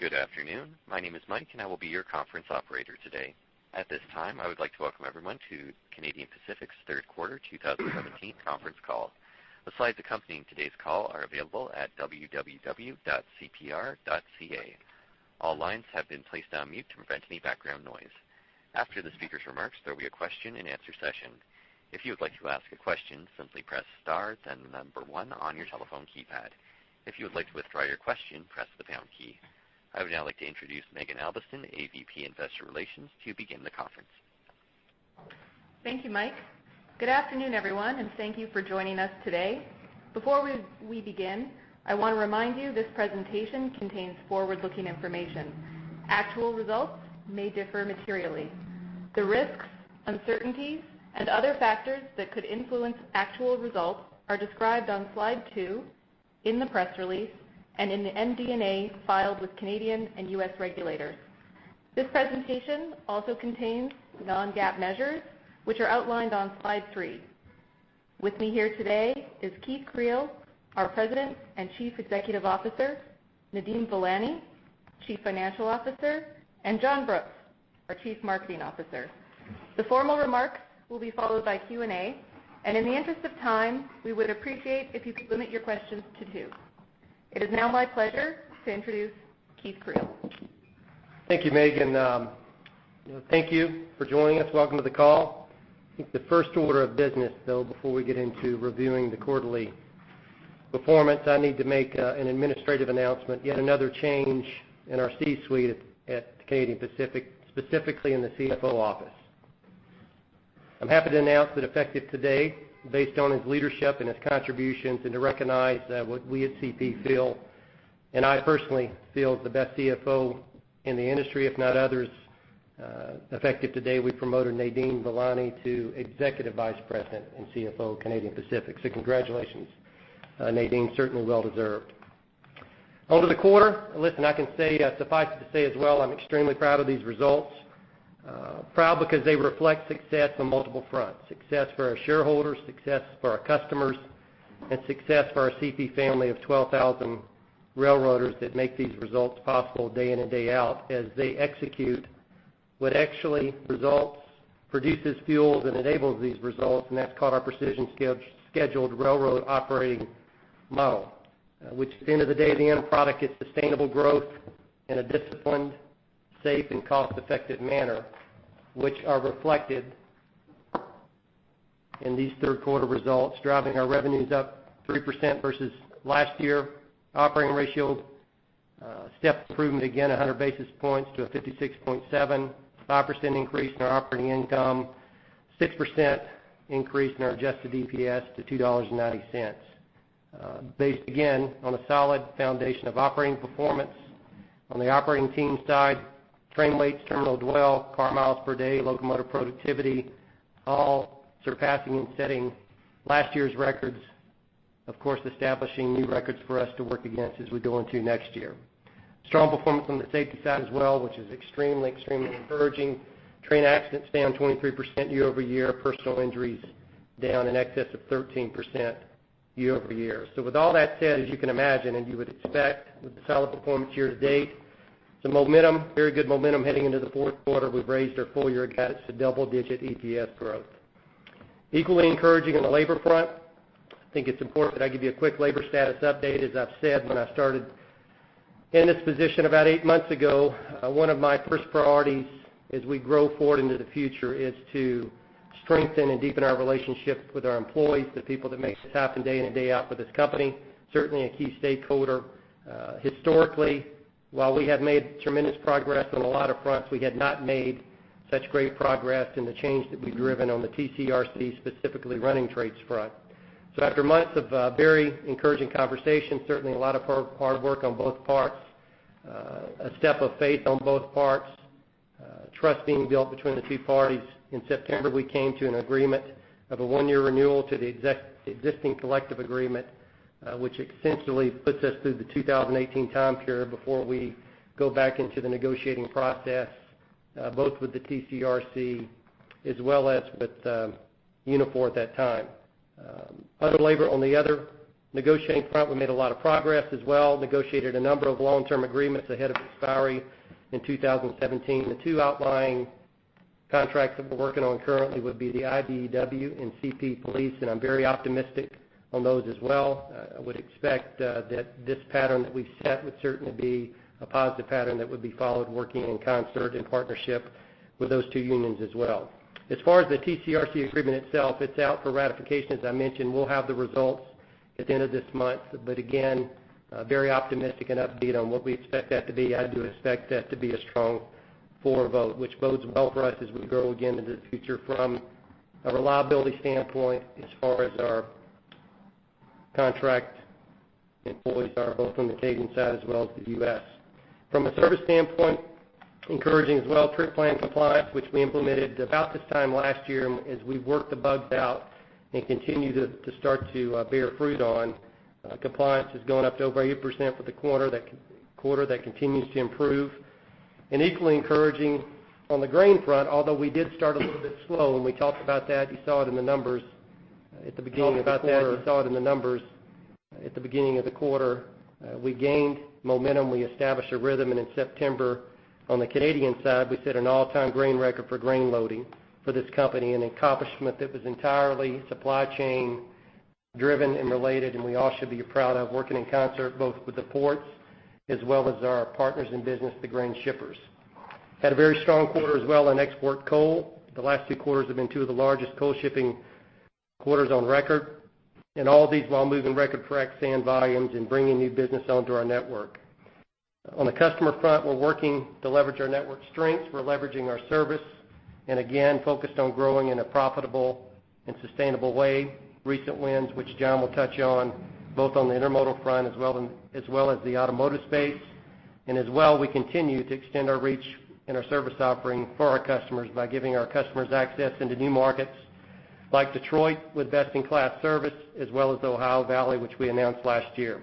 Good afternoon. My name is Mike, and I will be your conference operator today. At this time, I would like to welcome everyone to Canadian Pacific's third quarter 2017 conference call. The slides accompanying today's call are available at www.cpr.ca. All lines have been placed on mute to prevent any background noise. After the speaker's remarks, there will be a question-and-answer session. If you would like to ask a question, simply press star, then the number one on your telephone keypad. If you would like to withdraw your question, press the pound key. I would now like to introduce Maeghan Albiston, a VP, Investor Relations, to begin the conference. Thank you, Mike. Good afternoon, everyone, and thank you for joining us today. Before we begin, I want to remind you this presentation contains forward-looking information. Actual results may differ materially. The risks, uncertainties, and other factors that could influence actual results are described on Slide 2, in the press release, and in the MD&A filed with Canadian and US regulators. This presentation also contains non-GAAP measures, which are outlined on Slide 3. With me here today is Keith Creel, our President and Chief Executive Officer, Nadeem Velani, Chief Financial Officer, and John Brooks, our Chief Marketing Officer. The formal remarks will be followed by Q&A, and in the interest of time, we would appreciate if you could limit your questions to two. It is now my pleasure to introduce Keith Creel. Thank you, Maeghan. Thank you for joining us. Welcome to the call. I think the first order of business, though, before we get into reviewing the quarterly performance, I need to make, an administrative announcement, yet another change in our C-suite at Canadian Pacific, specifically in the CFO office. I'm happy to announce that effective today, based on his leadership and his contributions, and to recognize, what we at CP feel, and I personally feel, is the best CFO in the industry, if not others. Effective today, we promoted Nadeem Velani to Executive Vice President and CFO of Canadian Pacific. So congratulations, Nadeem, certainly well-deserved. On to the quarter, listen, I can say, suffice to say as well, I'm extremely proud of these results. Proud because they reflect success on multiple fronts, success for our shareholders, success for our customers, and success for our CP family of 12,000 railroaders that make these results possible day in and day out as they execute what actually results, produces fuels, and enables these results, and that's called our precision scheduled railroad operating model. Which at the end of the day, the end product is sustainable growth in a disciplined, safe, and cost-effective manner, which are reflected in these third quarter results, driving our revenues up 3% versus last year. Operating ratio step improvement, again, 100 basis points to 56.7. 5% increase in our operating income, 6% increase in our adjusted EPS to $2.90. Based again on a solid foundation of operating performance. On the operating team side, train weights, terminal dwell, car miles per day, locomotive productivity, all surpassing and setting last year's records, of course, establishing new records for us to work against as we go into next year. Strong performance on the safety side as well, which is extremely, extremely encouraging. Train accidents down 23% year-over-year, personal injuries down in excess of 13% year-over-year. So with all that said, as you can imagine, and you would expect with the solid performance year to date, some momentum, very good momentum heading into the fourth quarter. We've raised our full-year guidance to double-digit EPS growth. Equally encouraging on the labor front, I think it's important that I give you a quick labor status update. As I've said, when I started in this position about eight months ago, one of my first priorities as we grow forward into the future is to strengthen and deepen our relationship with our employees, the people that make this happen day in and day out with this company, certainly a key stakeholder. Historically, while we had made tremendous progress on a lot of fronts, we had not made such great progress in the change that we've driven on the TCRC, specifically running trades front. So after months of very encouraging conversations, certainly a lot of hard, hard work on both parts, a step of faith on both parts, trust being built between the two parties, in September, we came to an agreement of a one-year renewal to the existing collective agreement, which essentially puts us through the 2018 time period before we go back into the negotiating process, both with the TCRC as well as with Unifor at that time. Other labor on the other negotiating front, we made a lot of progress as well, negotiated a number of long-term agreements ahead of expiry in 2017. The two outlying contracts that we're working on currently would be the IBEW and CP Police, and I'm very optimistic on those as well. I would expect that this pattern that we've set would certainly be a positive pattern that would be followed working in concert and partnership with those two unions as well. As far as the TCRC agreement itself, it's out for ratification. As I mentioned, we'll have the results at the end of this month, but again, very optimistic and upbeat on what we expect that to be. I do expect that to be a strong for vote, which bodes well for us as we go again into the future from a reliability standpoint as far as our contract employees are, both on the Canadian side as well as the U.S. From a service standpoint, encouraging as well, trip plan compliance, which we implemented about this time last year as we worked the bugs out and continue to start to bear fruit on. Compliance is going up to over 80% for the quarter that continues to improve. And equally encouraging on the grain front, although we did start a little bit slow, and we talked about that, you saw it in the numbers at the beginning of the quarter, you saw it in the numbers. At the beginning of the quarter, we gained momentum, we established a rhythm, and in September, on the Canadian side, we set an all-time grain record for grain loading for this company, an accomplishment that was entirely supply chain driven and related, and we all should be proud of working in concert, both with the ports as well as our partners in business, the grain shippers. Had a very strong quarter as well on export coal. The last two quarters have been two of the largest coal shipping quarters on record, and all the while moving record frac sand volumes and bringing new business onto our network. On the customer front, we're working to leverage our network strengths. We're leveraging our service, and again, focused on growing in a profitable and sustainable way. Recent wins, which John will touch on, both on the intermodal front, as well as the automotive space, and as well, we continue to extend our reach and our service offering for our customers by giving our customers access into new markets, like Detroit, with best-in-class service, as well as the Ohio Valley, which we announced last year.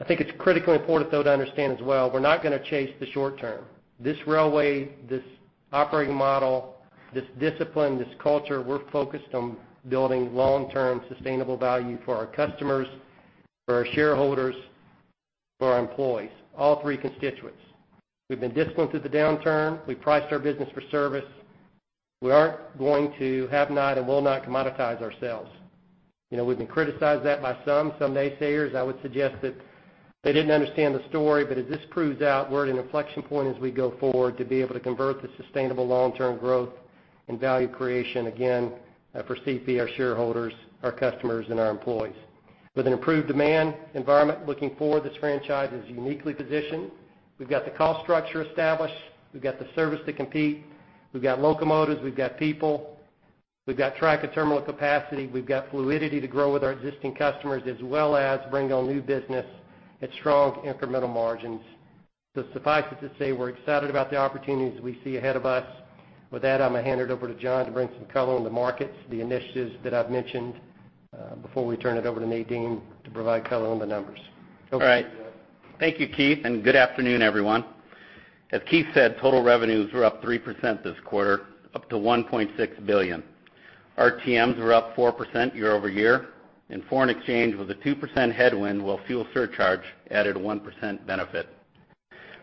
I think it's critically important, though, to understand as well, we're not gonna chase the short term. This railway, this operating model, this discipline, this culture, we're focused on building long-term, sustainable value for our customers, for our shareholders, for our employees, all three constituents. We've been disciplined through the downturn. We've priced our business for service. We aren't going to, have not, and will not commoditize ourselves. You know, we've been criticized that by some, some naysayers. I would suggest that they didn't understand the story, but as this proves out, we're at an inflection point as we go forward to be able to convert the sustainable long-term growth and value creation again, for CP, our shareholders, our customers, and our employees. With an improved demand environment looking forward, this franchise is uniquely positioned. We've got the cost structure established. We've got the service to compete. We've got locomotives, we've got people, we've got track and terminal capacity. We've got fluidity to grow with our existing customers, as well as bring on new business at strong incremental margins. So suffice it to say, we're excited about the opportunities we see ahead of us. With that, I'm going to hand it over to John to bring some color on the markets, the initiatives that I've mentioned, before we turn it over to Nadeem to provide color on the numbers. Over to you, John. All right. Thank you, Keith, and good afternoon, everyone. As Keith said, total revenues were up 3% this quarter, up to $1.6 billion. RTMs were up 4% year-over-year, and foreign exchange was a 2% headwind, while fuel surcharge added a 1% benefit.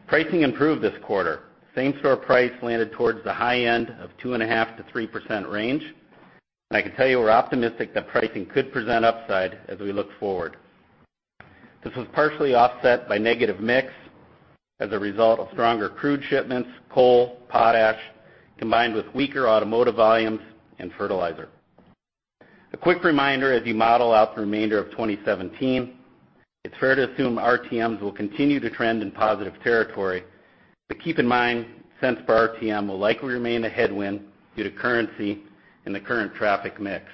Pricing improved this quarter. Same-store price landed towards the high end of 2.5%-3% range, and I can tell you we're optimistic that pricing could present upside as we look forward. This was partially offset by negative mix as a result of stronger crude shipments, coal, potash, combined with weaker automotive volumes and fertilizer. A quick reminder as you model out the remainder of 2017, it's fair to assume RTMs will continue to trend in positive territory, but keep in mind, cents per RTM will likely remain a headwind due to currency and the current traffic mix.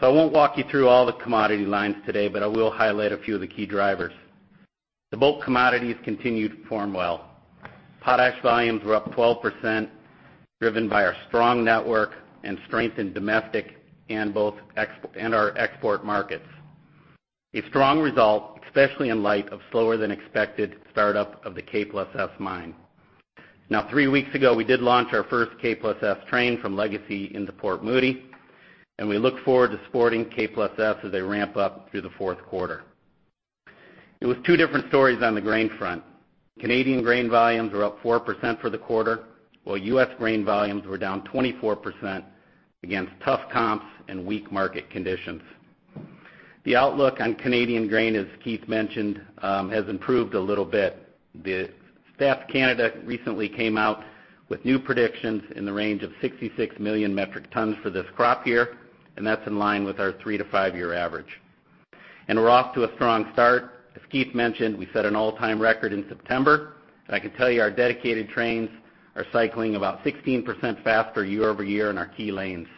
So I won't walk you through all the commodity lines today, but I will highlight a few of the key drivers. The bulk commodities continued to perform well. Potash volumes were up 12%, driven by our strong network and strength in domestic and both export and our export markets. A strong result, especially in light of slower-than-expected startup of the K+S mine. Now, three weeks ago, we did launch our first K+S train from Legacy into Port Moody, and we look forward to supporting K+S as they ramp up through the fourth quarter. It was two different stories on the grain front. Canadian grain volumes were up 4% for the quarter, while US grain volumes were down 24% against tough comps and weak market conditions. The outlook on Canadian grain, as Keith mentioned, has improved a little bit. The Stats Canada recently came out with new predictions in the range of 66 million metric tons for this crop year, and that's in line with our 3- to 5-year average. We're off to a strong start. As Keith mentioned, we set an all-time record in September, and I can tell you our dedicated trains are cycling about 16% faster year-over-year in our key lanes.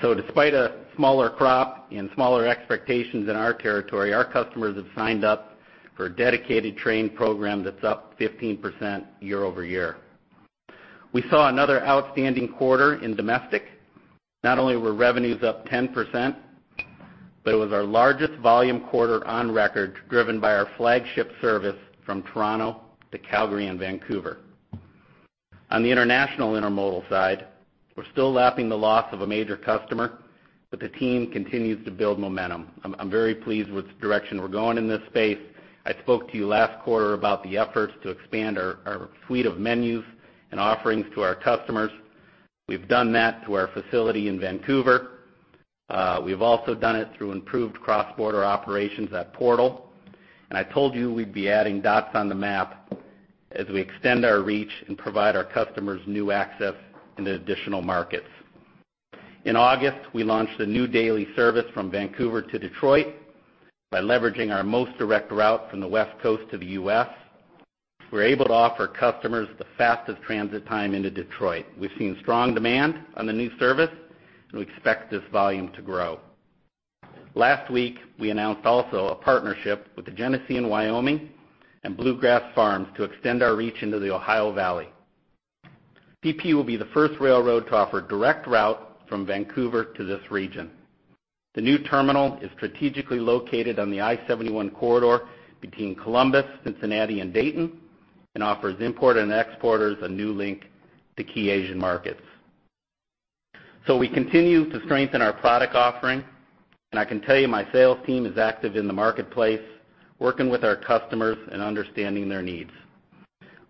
Despite a smaller crop and smaller expectations in our territory, our customers have signed up for a dedicated train program that's up 15% year-over-year. We saw another outstanding quarter in domestic. Not only were revenues up 10%, but it was our largest volume quarter on record, driven by our flagship service from Toronto to Calgary and Vancouver. On the international intermodal side, we're still lapping the loss of a major customer, but the team continues to build momentum. I'm very pleased with the direction we're going in this space. I spoke to you last quarter about the efforts to expand our suite of menus and offerings to our customers. We've done that to our facility in Vancouver. We've also done it through improved cross-border operations at Portal, and I told you we'd be adding dots on the map as we extend our reach and provide our customers new access into additional markets. In August, we launched a new daily service from Vancouver to Detroit. By leveraging our most direct route from the West Coast to the US, we're able to offer customers the fastest transit time into Detroit. We've seen strong demand on the new service, and we expect this volume to grow. Last week, we announced also a partnership with the Genesee & Wyoming and Bluegrass Farms to extend our reach into the Ohio Valley. CP will be the first railroad to offer direct route from Vancouver to this region. The new terminal is strategically located on the I-71 corridor between Columbus, Cincinnati, and Dayton, and offers importer and exporters a new link to key Asian markets. So we continue to strengthen our product offering, and I can tell you my sales team is active in the marketplace, working with our customers and understanding their needs.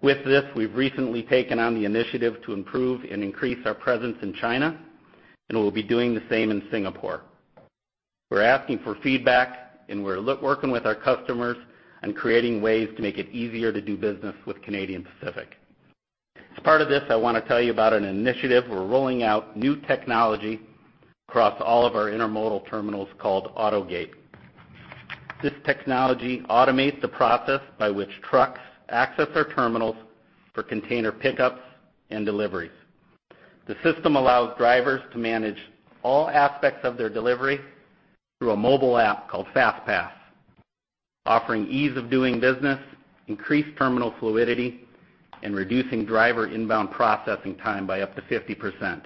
With this, we've recently taken on the initiative to improve and increase our presence in China, and we'll be doing the same in Singapore. We're asking for feedback, and we're working with our customers and creating ways to make it easier to do business with Canadian Pacific. As part of this, I want to tell you about an initiative. We're rolling out new technology across all of our intermodal terminals called AutoGate. This technology automates the process by which trucks access our terminals for container pickups and deliveries. The system allows drivers to manage all aspects of their delivery through a mobile app called FastPass, offering ease of doing business, increased terminal fluidity, and reducing driver inbound processing time by up to 50%.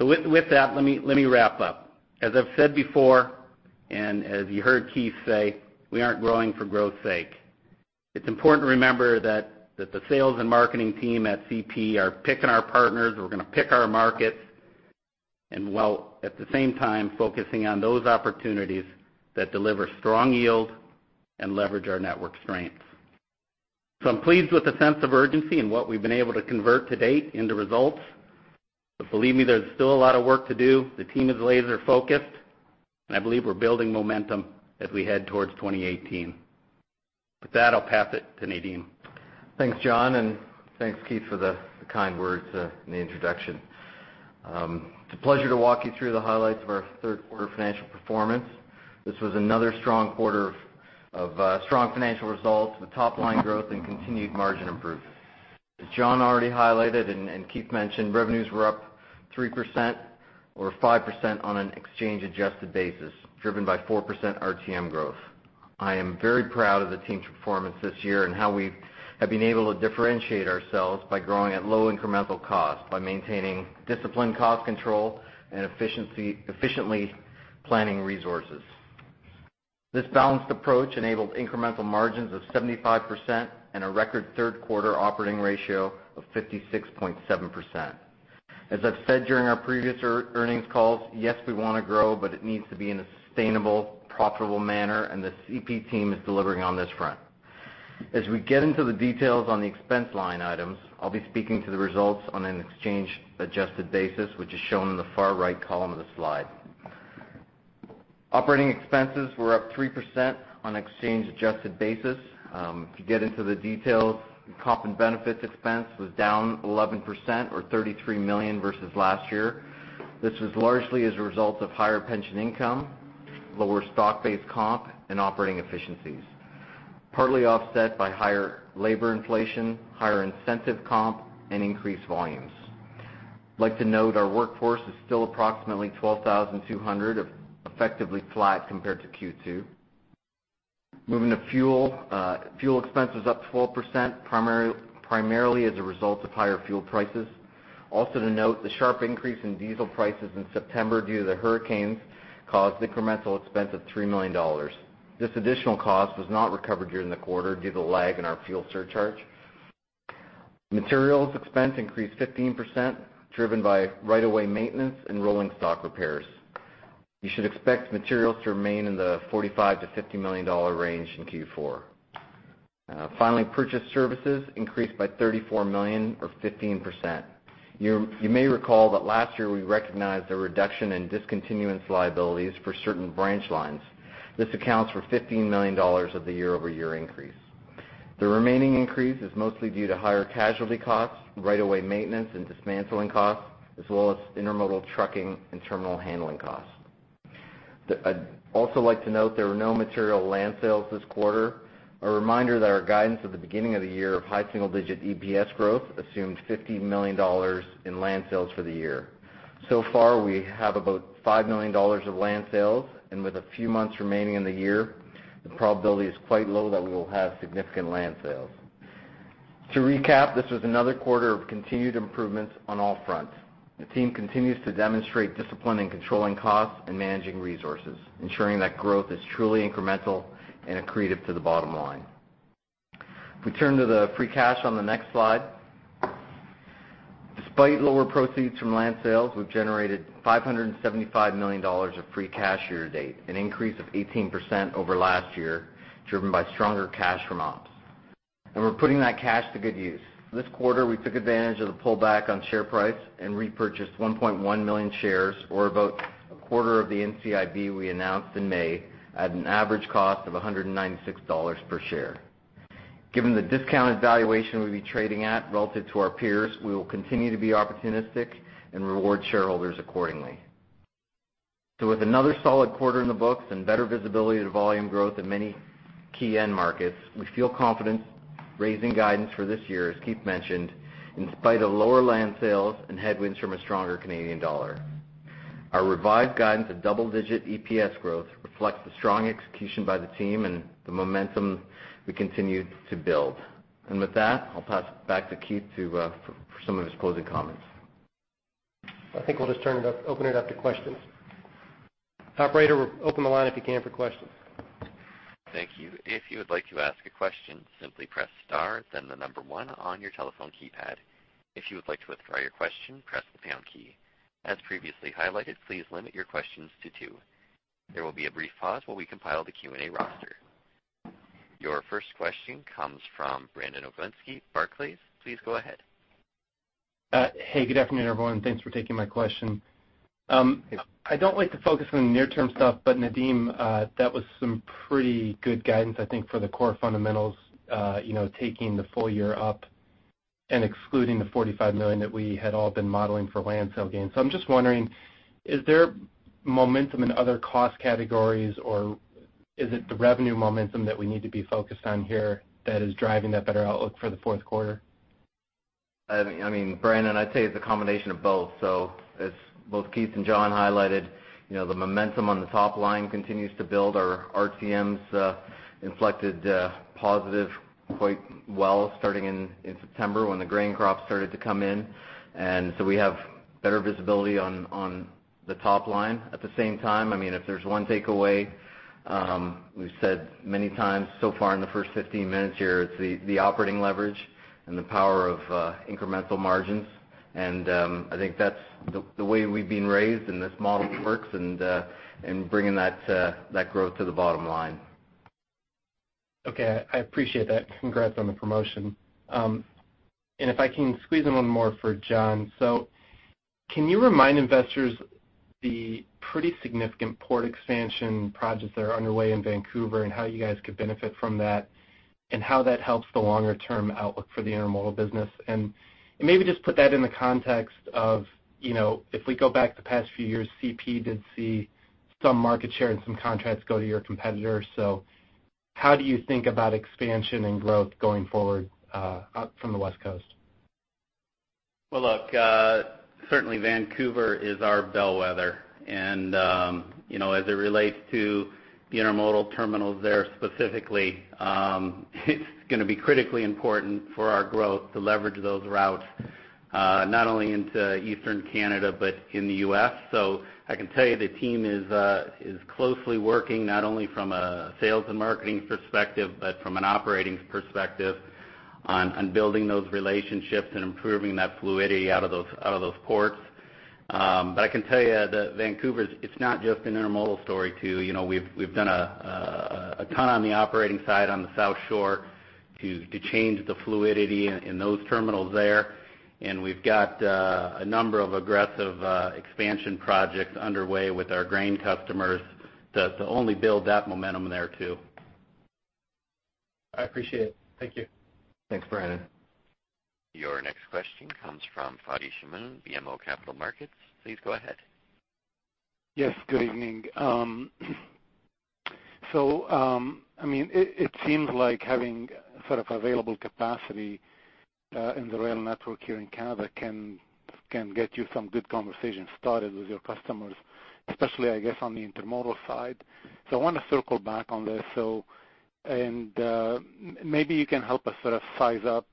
With that, let me wrap up. As I've said before, and as you heard Keith say, we aren't growing for growth's sake. It's important to remember that, that the sales and marketing team at CP are picking our partners, we're gonna pick our markets, and while at the same time, focusing on those opportunities that deliver strong yield and leverage our network strengths. So I'm pleased with the sense of urgency and what we've been able to convert to date into results. But believe me, there's still a lot of work to do. The team is laser-focused, and I believe we're building momentum as we head towards 2018. With that, I'll pass it to Nadeem. Thanks, John, and thanks, Keith, for the kind words in the introduction. It's a pleasure to walk you through the highlights of our third quarter financial performance. This was another strong quarter of strong financial results with top-line growth and continued margin improvement. As John already highlighted and Keith mentioned, revenues were up 3% or 5% on an exchange-adjusted basis, driven by 4% RTM growth. I am very proud of the team's performance this year and how we have been able to differentiate ourselves by growing at low incremental cost, by maintaining disciplined cost control and efficiency-efficiently planning resources. This balanced approach enabled incremental margins of 75% and a record third quarter operating ratio of 56.7%. As I've said during our previous earnings calls, yes, we want to grow, but it needs to be in a sustainable, profitable manner, and the CP team is delivering on this front. As we get into the details on the expense line items, I'll be speaking to the results on an exchange-adjusted basis, which is shown in the far right column of the slide. Operating expenses were up 3% on an exchange-adjusted basis. To get into the details, comp and benefits expense was down 11% or $33 million versus last year. This was largely as a result of higher pension income, lower stock-based comp, and operating efficiencies, partly offset by higher labor inflation, higher incentive comp, and increased volumes. I'd like to note our workforce is still approximately 12,200, effectively flat compared to Q2. Moving to fuel. Fuel expense is up 12%, primarily as a result of higher fuel prices. Also to note, the sharp increase in diesel prices in September due to the hurricanes caused incremental expense of $3 million. This additional cost was not recovered during the quarter due to lag in our fuel surcharge. Materials expense increased 15%, driven by right-of-way maintenance and rolling stock repairs. You should expect materials to remain in the $45 million-$50 million range in Q4. Finally, purchased services increased by $34 million or 15%. You may recall that last year, we recognized a reduction in discontinuance liabilities for certain branch lines. This accounts for $15 million of the year-over-year increase. The remaining increase is mostly due to higher casualty costs, right-of-way maintenance, and dismantling costs, as well as intermodal trucking and terminal handling costs. I'd also like to note there were no material land sales this quarter. A reminder that our guidance at the beginning of the year of high single-digit EPS growth assumed $50 million in land sales for the year. So far, we have about $5 million of land sales, and with a few months remaining in the year, the probability is quite low that we will have significant land sales. To recap, this was another quarter of continued improvements on all fronts. The team continues to demonstrate discipline in controlling costs and managing resources, ensuring that growth is truly incremental and accretive to the bottom line. We turn to the free cash on the next slide. Despite lower proceeds from land sales, we've generated $575 million of free cash year to date, an increase of 18% over last year, driven by stronger cash from ops. We're putting that cash to good use. This quarter, we took advantage of the pullback on share price and repurchased 1.1 million shares, or about a quarter of the NCIB we announced in May, at an average cost of $196 per share. Given the discounted valuation we'll be trading at relative to our peers, we will continue to be opportunistic and reward shareholders accordingly. With another solid quarter in the books and better visibility to volume growth in many key end markets, we feel confident raising guidance for this year, as Keith mentioned, in spite of lower land sales and headwinds from a stronger Canadian dollar. Our revised guidance of double-digit EPS growth reflects the strong execution by the team and the momentum we continue to build... With that, I'll pass it back to Keith to, for some of his closing comments. I think we'll just turn it up, open it up to questions. Operator, open the line, if you can, for questions. Thank you. If you would like to ask a question, simply press star, then the number one on your telephone keypad. If you would like to withdraw your question, press the pound key. As previously highlighted, please limit your questions to two. There will be a brief pause while we compile the Q&A roster. Your first question comes from Brandon Oglenski, Barclays. Please go ahead. Hey, good afternoon, everyone. Thanks for taking my question. I don't like to focus on the near-term stuff, but Nadeem, that was some pretty good guidance, I think, for the core fundamentals, you know, taking the full year up and excluding the $45 million that we had all been modeling for land sale gains. So I'm just wondering, is there momentum in other cost categories, or is it the revenue momentum that we need to be focused on here that is driving that better outlook for the fourth quarter? I mean, Brandon, I'd say it's a combination of both. So as both Keith and John highlighted, you know, the momentum on the top line continues to build. Our RTMs inflected positive quite well starting in September, when the grain crop started to come in, and so we have better visibility on the top line. At the same time, I mean, if there's one takeaway, we've said many times so far in the first 15 minutes here, it's the operating leverage and the power of incremental margins. And I think that's the way we've been raised, and this model works, and bringing that growth to the bottom line. Okay. I appreciate that. Congrats on the promotion. And if I can squeeze in one more for John: So can you remind investors the pretty significant port expansion projects that are underway in Vancouver and how you guys could benefit from that, and how that helps the longer-term outlook for the intermodal business? And maybe just put that in the context of, you know, if we go back the past few years, CP did see some market share and some contracts go to your competitors. So how do you think about expansion and growth going forward, out from the West Coast? Well, look, certainly Vancouver is our bellwether, and, you know, as it relates to the intermodal terminals there specifically, it's gonna be critically important for our growth to leverage those routes, not only into Eastern Canada, but in the U.S. So I can tell you the team is closely working, not only from a sales and marketing perspective, but from an operating perspective on building those relationships and improving that fluidity out of those ports. But I can tell you that Vancouver, it's not just an intermodal story, too. You know, we've done a ton on the operating side on the South Shore to change the fluidity in those terminals there. And we've got a number of aggressive expansion projects underway with our grain customers to only build that momentum there, too. I appreciate it. Thank you. Thanks, Brandon. Your next question comes from Fadi Chamoun, BMO Capital Markets. Please go ahead. Yes, good evening. So, I mean, it seems like having sort of available capacity in the rail network here in Canada can get you some good conversations started with your customers, especially, I guess, on the intermodal side. So I want to circle back on this. So and, maybe you can help us sort of size up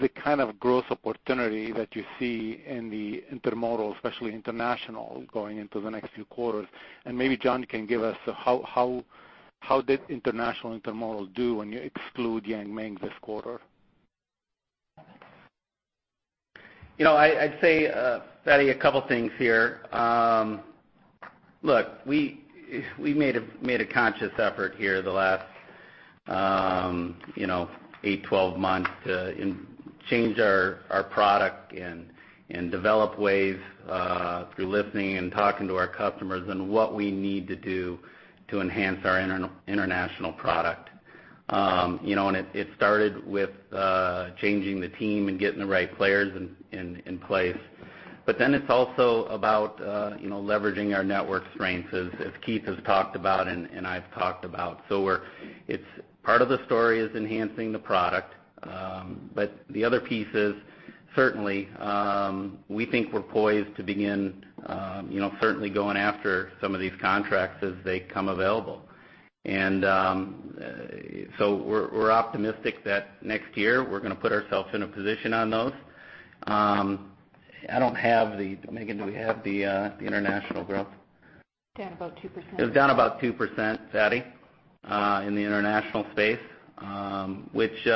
the kind of growth opportunity that you see in the intermodal, especially international, going into the next few quarters. And maybe John can give us how did international intermodal do when you exclude Yang Ming this quarter? You know, I'd say, Fadi, a couple things here. Look, we made a conscious effort here the last, you know, 8-12 months to change our product and develop ways through listening and talking to our customers on what we need to do to enhance our international product. You know, and it started with changing the team and getting the right players in place. But then it's also about you know, leveraging our network strengths, as Keith has talked about and I've talked about. So we're. It's part of the story is enhancing the product, but the other piece is, certainly, we think we're poised to begin, you know, certainly going after some of these contracts as they come available. So we're optimistic that next year, we're gonna put ourselves in a position on those. I don't have the—Maeghan, do we have the international growth? Down about 2%. It's down about 2%, Fadi, in the international space, which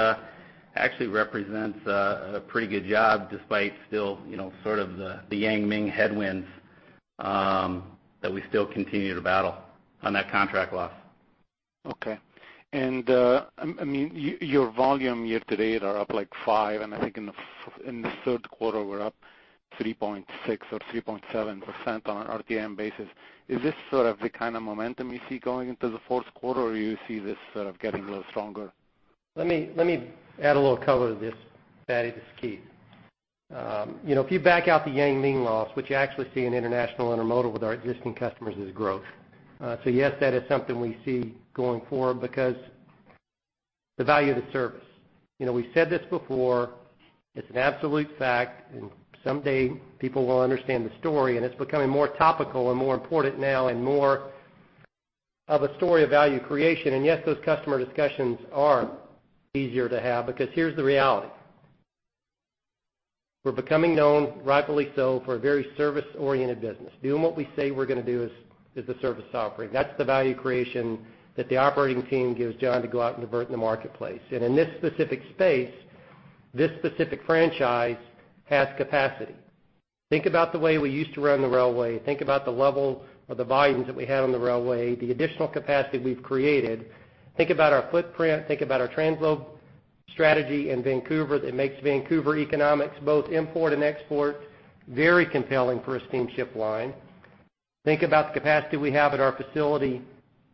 actually represents a pretty good job, despite still, you know, sort of the Yang Ming headwinds that we still continue to battle on that contract loss. Okay. I mean, your volume year to date are up, like, 5, and I think in the third quarter, were up 3.6 or 3.7% on an RTM basis. Is this sort of the kind of momentum you see going into the fourth quarter, or you see this sort of getting a little stronger? Let me, let me add a little color to this, Fadi. This is Keith. You know, if you back out the Yang Ming loss, what you actually see in international intermodal with our existing customers is growth. So yes, that is something we see going forward because the value of the service. You know, we've said this before, it's an absolute fact, and someday people will understand the story, and it's becoming more topical and more important now and more-... of a story of value creation. Yes, those customer discussions are easier to have because here's the reality: we're becoming known, rightfully so, for a very service-oriented business. Doing what we say we're gonna do is the service offering. That's the value creation that the operating team gives John to go out and convert in the marketplace. In this specific space, this specific franchise has capacity. Think about the way we used to run the railway. Think about the level of the volumes that we had on the railway, the additional capacity we've created. Think about our footprint, think about our transload strategy in Vancouver that makes Vancouver economics, both import and export, very compelling for a steamship line. Think about the capacity we have at our facility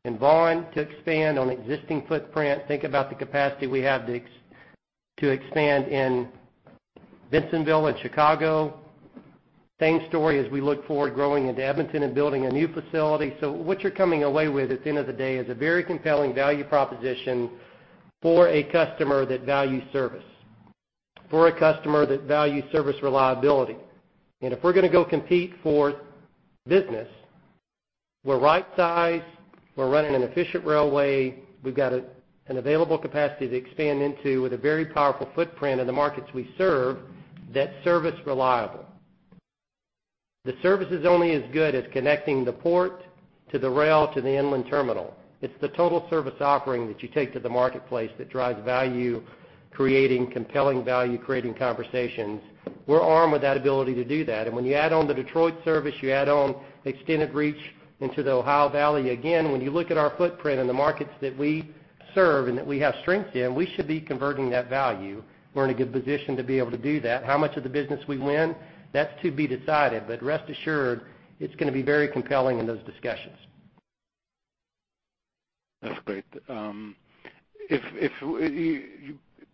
in Vaughan to expand on existing footprint. Think about the capacity we have to expand in Bensenville and Chicago. Same story as we look forward growing into Edmonton and building a new facility. So what you're coming away with, at the end of the day, is a very compelling value proposition for a customer that values service, for a customer that values service reliability. And if we're gonna go compete for business, we're right sized, we're running an efficient railway, we've got a, an available capacity to expand into with a very powerful footprint in the markets we serve, that's service reliable. The service is only as good as connecting the port to the rail, to the inland terminal. It's the total service offering that you take to the marketplace that drives value, creating compelling value-creating conversations. We're armed with that ability to do that. When you add on the Detroit service, you add on extended reach into the Ohio Valley. Again, when you look at our footprint and the markets that we serve and that we have strength in, we should be converting that value. We're in a good position to be able to do that. How much of the business we win, that's to be decided, but rest assured, it's gonna be very compelling in those discussions. That's great. If,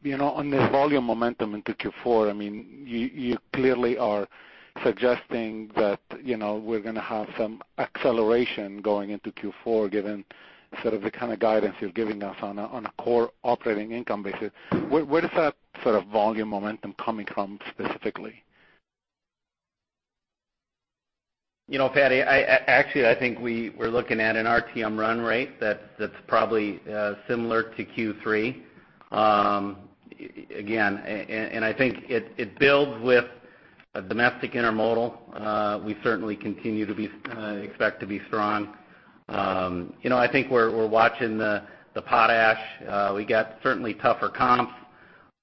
you know, on this volume momentum into Q4, I mean, you clearly are suggesting that, you know, we're gonna have some acceleration going into Q4, given sort of the kind of guidance you're giving us on a core operating income basis. Where does that sort of volume momentum coming from specifically? You know, Fadi, actually, I think we're looking at an RTM run rate that's probably similar to Q3. Again, I think it builds with a domestic intermodal. We certainly continue to expect to be strong. You know, I think we're watching the potash. We got certainly tougher comps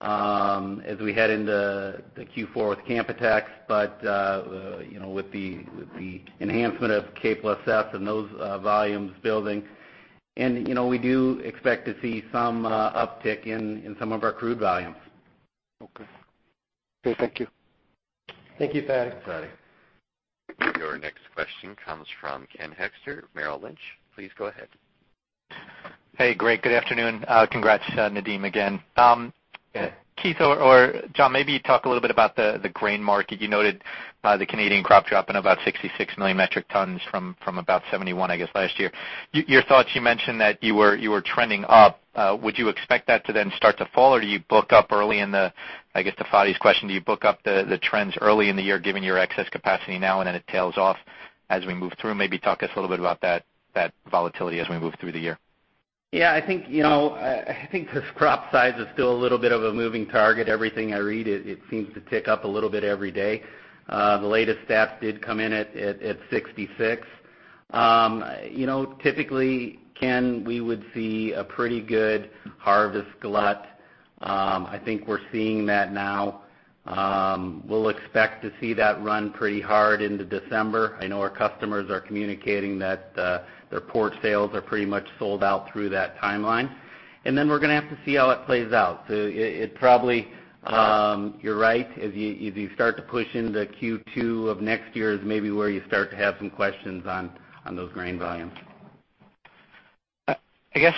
as we head into the Q4 with Canpotex, but you know, with the enhancement of K+S and those volumes building, and you know, we do expect to see some uptick in some of our crude volumes. Okay. Okay, thank you. Thank you, Fadi. Thanks, Fadi. Your next question comes from Ken Hoexter, Merrill Lynch. Please go ahead. Hey, great. Good afternoon. Congrats, Nadeem, again. Keith or John, maybe talk a little bit about the grain market. You noted the Canadian crop dropping about 66 million metric tons from about 71, I guess, last year. Your thoughts, you mentioned that you were trending up. Would you expect that to then start to fall, or do you book up early in the, I guess, to Fadi's question, do you book up the trends early in the year, given your excess capacity now, and then it tails off as we move through? Maybe talk us a little bit about that volatility as we move through the year. Yeah, I think, you know, I think the crop size is still a little bit of a moving target. Everything I read, it seems to tick up a little bit every day. The latest stats did come in at 66. You know, typically, Ken, we would see a pretty good harvest glut. I think we're seeing that now. We'll expect to see that run pretty hard into December. I know our customers are communicating that their port sales are pretty much sold out through that timeline. And then we're gonna have to see how it plays out. So it probably, you're right. As you start to push into Q2 of next year is maybe where you start to have some questions on those grain volumes. I guess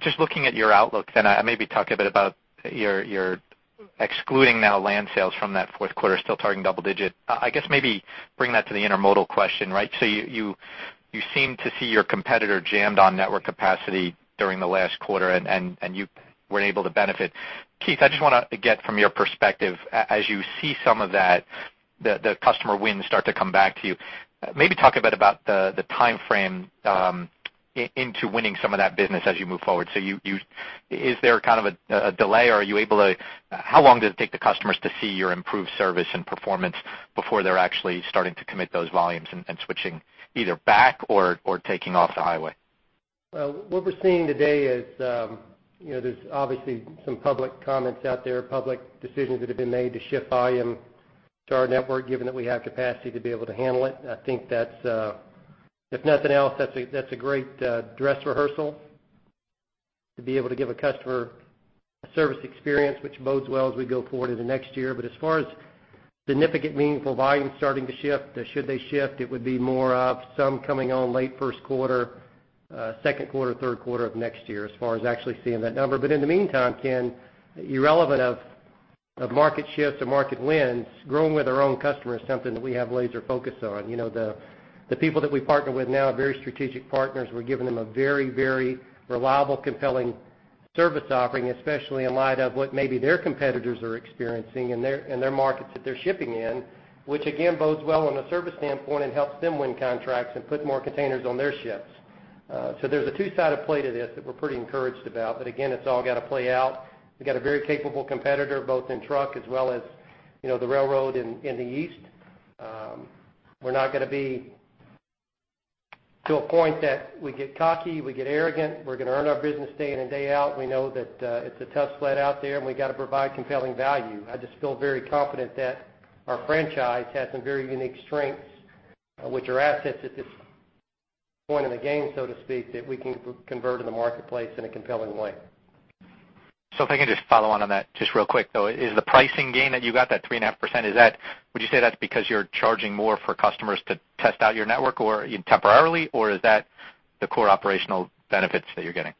just looking at your outlook, then maybe talk a bit about your, you're excluding now land sales from that fourth quarter, still targeting double digit. I guess maybe bring that to the intermodal question, right? So you seem to see your competitor jammed on network capacity during the last quarter, and you weren't able to benefit. Keith, I just wanna get from your perspective, as you see some of that, the customer wins start to come back to you. Maybe talk a bit about the timeframe into winning some of that business as you move forward. So is there kind of a delay, or are you able to... How long does it take the customers to see your improved service and performance before they're actually starting to commit those volumes and switching either back or taking off the highway? Well, what we're seeing today is, you know, there's obviously some public comments out there, public decisions that have been made to shift volume to our network, given that we have capacity to be able to handle it. I think that's, if nothing else, that's a, that's a great, dress rehearsal to be able to give a customer a service experience, which bodes well as we go forward in the next year. But as far as significant, meaningful volume starting to shift, should they shift, it would be more of some coming on late first quarter, second quarter, third quarter of next year, as far as actually seeing that number. But in the meantime, Ken, irrelevant of, of market shifts or market wins, growing with our own customer is something that we have laser focused on. You know, the people that we partner with now are very strategic partners. We're giving them a very, very reliable, compelling service offering, especially in light of what maybe their competitors are experiencing in their, in their markets that they're shipping in, which again, bodes well on a service standpoint and helps them win contracts and put more containers on their ships. So there's a two-sided play to this that we're pretty encouraged about, but again, it's all got to play out. We've got a very capable competitor, both in truck as well as, you know, the railroad in, in the east. We're not gonna be to a point that we get cocky, we get arrogant. We're gonna earn our business day in and day out. We know that, it's a tough sled out there, and we gotta provide compelling value. I just feel very confident that our franchise has some very unique strengths, which are assets at this point in the game, so to speak, that we can convert to the marketplace in a compelling way. So if I can just follow on, on that just real quick, though, is the pricing gain that you got, that 3.5%, is that, would you say that's because you're charging more for customers to test out your network or temporarily, or is that the core operational benefits that you're getting?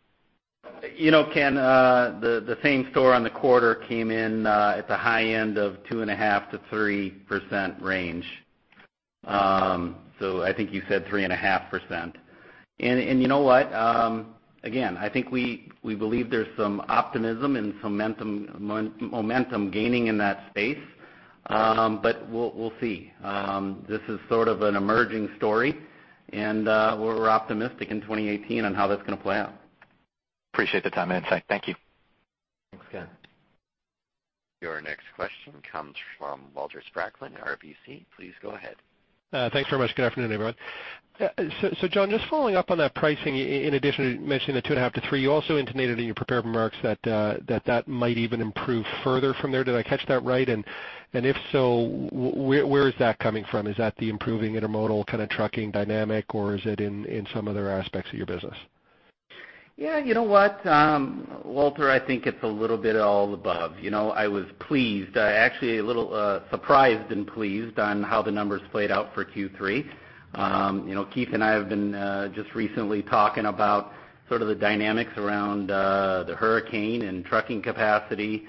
You know, Ken, the same store on the quarter came in at the high end of 2.5%-3% range. So I think you said 3.5%. And you know what? Again, I think we believe there's some optimism and some momentum gaining in that space. But we'll see. This is sort of an emerging story, and we're optimistic in 2018 on how that's gonna play out. Appreciate the time and insight. Thank you. Thanks, Ken. Your next question comes from Walter Spracklin, RBC. Please go ahead. Thanks very much. Good afternoon, everyone. So John, just following up on that pricing, in addition to mentioning the 2.5-3, you also intimated in your prepared remarks that that might even improve further from there. Did I catch that right? And if so, where is that coming from? Is that the improving intermodal kind of trucking dynamic, or is it in some other aspects of your business? Yeah, you know what, Walter, I think it's a little bit of all the above. You know, I was pleased, actually a little surprised and pleased on how the numbers played out for Q3. You know, Keith and I have been just recently talking about sort of the dynamics around the hurricane and trucking capacity,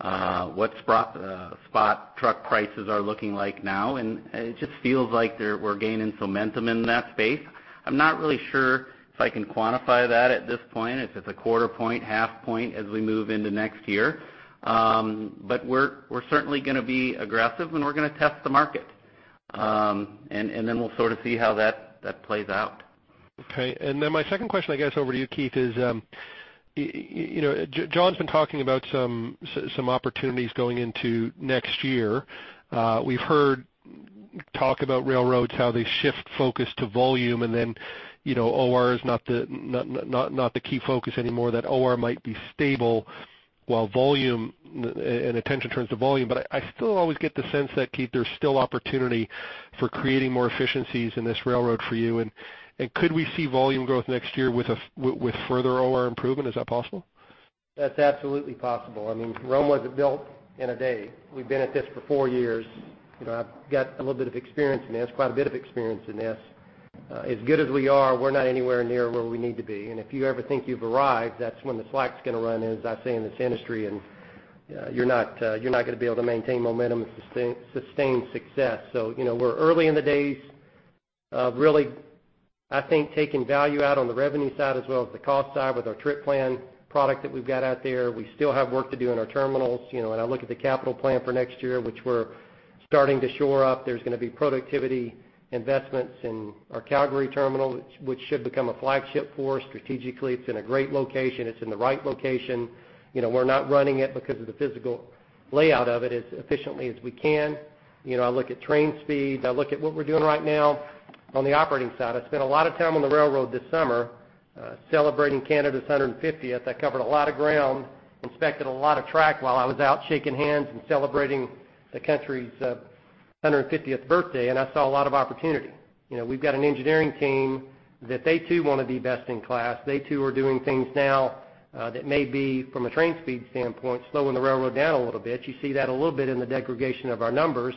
what spot truck prices are looking like now, and it just feels like we're gaining some momentum in that space. I'm not really sure if I can quantify that at this point, if it's a quarter point, half point as we move into next year. But we're certainly gonna be aggressive, and we're gonna test the market. And then we'll sort of see how that plays out. Okay. And then my second question, I guess, over to you, Keith, is, you know, John's been talking about some opportunities going into next year. We've heard talk about railroads, how they shift focus to volume, and then, you know, OR is not the key focus anymore, that OR might be stable, while volume and attention turns to volume. But I still always get the sense that, Keith, there's still opportunity for creating more efficiencies in this railroad for you. And could we see volume growth next year with further OR improvement? Is that possible? That's absolutely possible. I mean, Rome wasn't built in a day. We've been at this for four years. You know, I've got a little bit of experience in this, quite a bit of experience in this. As good as we are, we're not anywhere near where we need to be. And if you ever think you've arrived, that's when the slack's gonna run in, as I say, in this industry, and you're not gonna be able to maintain momentum and sustain success. So, you know, we're early in the days of really, I think, taking value out on the revenue side as well as the cost side with our Trip Plan product that we've got out there. We still have work to do in our terminals. You know, when I look at the capital plan for next year, which we're starting to shore up, there's gonna be productivity investments in our Calgary terminal, which should become a flagship for us. Strategically, it's in a great location. It's in the right location. You know, we're not running it because of the physical layout of it as efficiently as we can. You know, I look at train speed, I look at what we're doing right now on the operating side. I spent a lot of time on the railroad this summer, celebrating Canada's 150th. I covered a lot of ground, inspected a lot of track while I was out shaking hands and celebrating the country's 150th birthday, and I saw a lot of opportunity. You know, we've got an engineering team that they, too, want to be best in class. They, too, are doing things now that may be, from a train speed standpoint, slowing the railroad down a little bit. You see that a little bit in the degradation of our numbers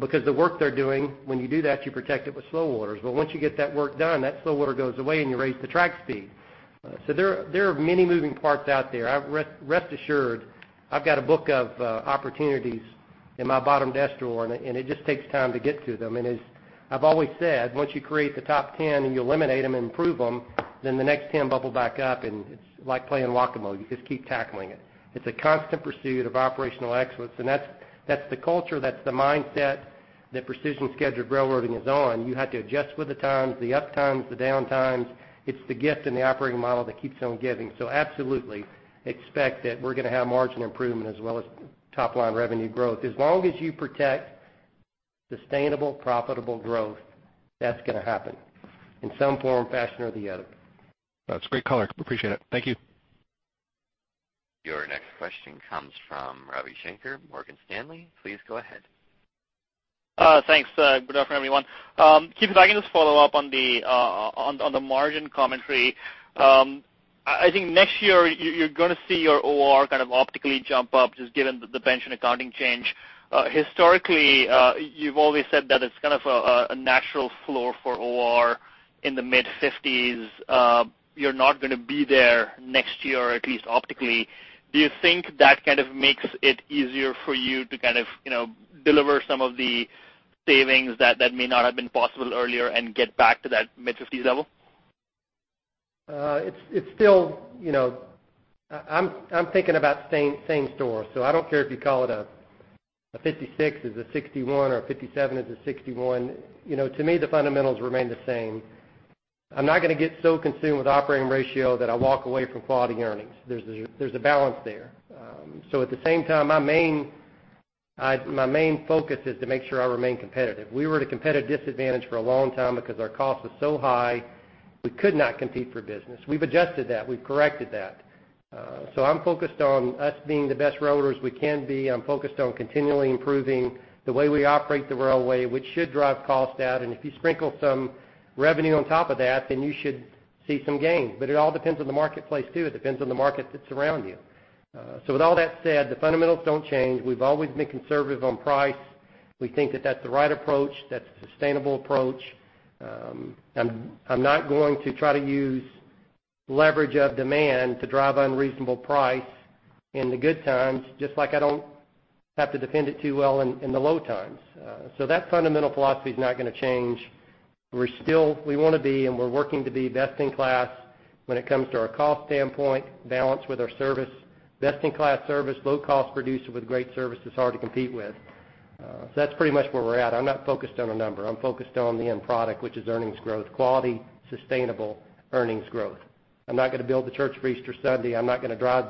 because the work they're doing, when you do that, you protect it with slow orders. But once you get that work done, that slow order goes away, and you raise the track speed. So there, there are many moving parts out there. Rest assured, I've got a book of opportunities in my bottom desk drawer, and it, and it just takes time to get to them. And as I've always said, once you create the top ten, and you eliminate them and improve them, then the next ten bubble back up, and it's like playing Whack-A-Mole. You just keep tackling it. It's a constant pursuit of operational excellence, and that's, that's the culture, that's the mindset that Precision Scheduled Railroading is on. You have to adjust with the times, the up times, the down times. It's the gift in the operating model that keeps on giving. So absolutely, expect that we're gonna have margin improvement as well as top line revenue growth. As long as you protect sustainable, profitable growth, that's gonna happen in some form, fashion, or the other. That's great color. Appreciate it. Thank you. Your next question comes from Ravi Shanker, Morgan Stanley. Please go ahead. Thanks. Good afternoon, everyone. Keith, if I can just follow up on the margin commentary. I think next year, you're gonna see your OR kind of optically jump up, just given the pension accounting change. Historically, you've always said that it's kind of a natural floor for OR in the mid-50s. You're not gonna be there next year, at least optically. Do you think that kind of makes it easier for you to kind of, you know, deliver some of the-... savings that may not have been possible earlier and get back to that mid-fifties level? It's still, you know, I'm thinking about same store, so I don't care if you call it a 56 as a 61 or a 57 as a 61. You know, to me, the fundamentals remain the same. I'm not gonna get so consumed with operating ratio that I walk away from quality earnings. There's a balance there. So at the same time, my main focus is to make sure I remain competitive. We were at a competitive disadvantage for a long time because our costs were so high, we could not compete for business. We've adjusted that. We've corrected that. So I'm focused on us being the best railroaders we can be. I'm focused on continually improving the way we operate the railway, which should drive costs down. If you sprinkle some revenue on top of that, then you should see some gains. But it all depends on the marketplace, too. It depends on the markets that surround you. So with all that said, the fundamentals don't change. We've always been conservative on price. We think that that's the right approach, that's the sustainable approach. I'm not going to try to use leverage of demand to drive unreasonable price in the good times, just like I don't have to defend it too well in the low times. So that fundamental philosophy is not gonna change. We're still, we want to be, and we're working to be best in class when it comes to our cost standpoint, balanced with our service. Best-in-class service, low cost producer with great service is hard to compete with. So that's pretty much where we're at. I'm not focused on a number. I'm focused on the end product, which is earnings growth, quality, sustainable earnings growth. I'm not gonna build the church for Easter Sunday. I'm not gonna drive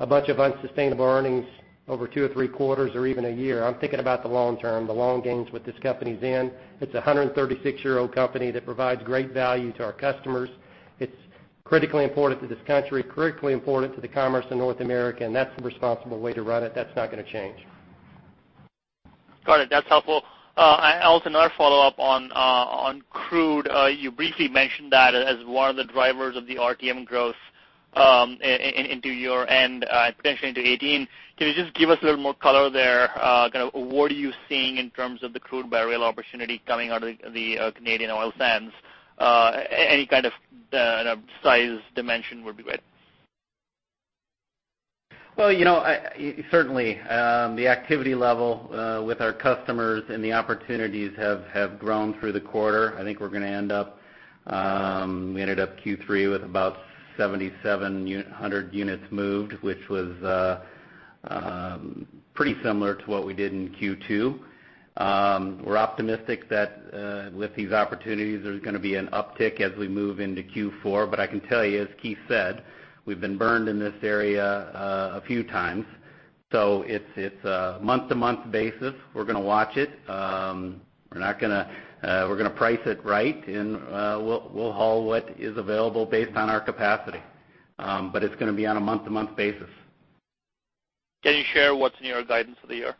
a bunch of unsustainable earnings over 2 or 3 quarters or even a year. I'm thinking about the long term, the long games, which this company is in. It's a 136-year-old company that provides great value to our customers. It's critically important to this country, critically important to the commerce in North America, and that's the responsible way to run it. That's not gonna change. Got it. That's helpful. I also another follow-up on on crude. You briefly mentioned that as one of the drivers of the RTM growth, into your end, and potentially into 2018. Can you just give us a little more color there? Kind of what are you seeing in terms of the crude by rail opportunity coming out of the Canadian oil sands? Any kind of size dimension would be great. Well, you know, I certainly the activity level with our customers and the opportunities have grown through the quarter. I think we're gonna end up. We ended up Q3 with about 7,700 units moved, which was pretty similar to what we did in Q2. We're optimistic that with these opportunities, there's gonna be an uptick as we move into Q4. But I can tell you, as Keith said, we've been burned in this area a few times, so it's a month-to-month basis. We're gonna watch it. We're not gonna, we're gonna price it right, and we'll haul what is available based on our capacity, but it's gonna be on a month-to-month basis. Can you share what's in your guidance for the year?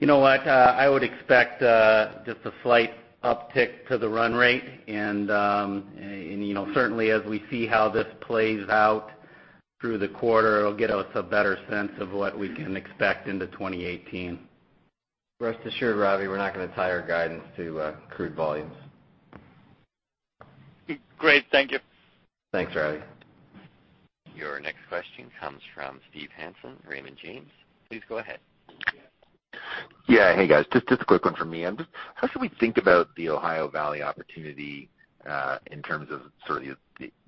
You know what, I would expect just a slight uptick to the run rate, and, you know, certainly as we see how this plays out through the quarter, it'll get us a better sense of what we can expect into 2018. Rest assured, Ravi, we're not gonna tie our guidance to crude volumes. Great. Thank you. Thanks, Ravi. Your next question comes from Steve Hansen, Raymond James. Please go ahead. Yeah. Hey, guys. Just a quick one from me. Just how should we think about the Ohio Valley opportunity in terms of sort of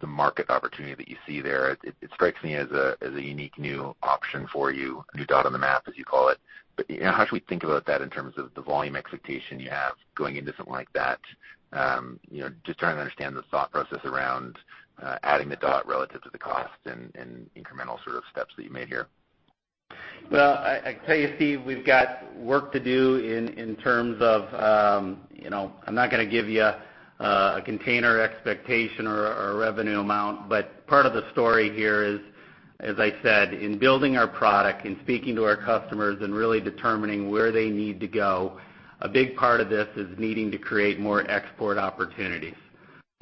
the market opportunity that you see there? It strikes me as a unique new option for you, a new dot on the map, as you call it. But, you know, how should we think about that in terms of the volume expectation you have going into something like that? You know, just trying to understand the thought process around adding the dot relative to the cost and incremental sort of steps that you made here. Well, I can tell you, Steve, we've got work to do in terms of, you know, I'm not gonna give you a container expectation or revenue amount. But part of the story here is, as I said, in building our product and speaking to our customers and really determining where they need to go, a big part of this is needing to create more export opportunities.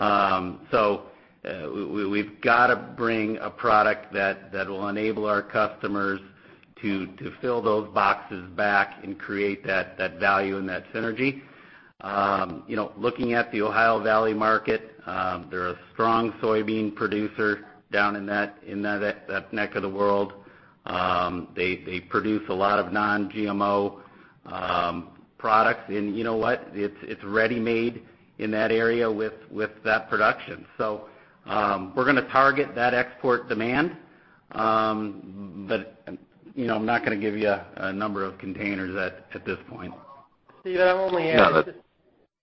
So, we've got to bring a product that will enable our customers to fill those boxes back and create that value and that synergy. You know, looking at the Ohio Valley market, they're a strong soybean producer down in that neck of the world. They produce a lot of non-GMO products. And you know what? It's ready-made in that area with that production. We're gonna target that export demand, but, you know, I'm not gonna give you a number of containers at this point. No, that- Steve, I'll only add.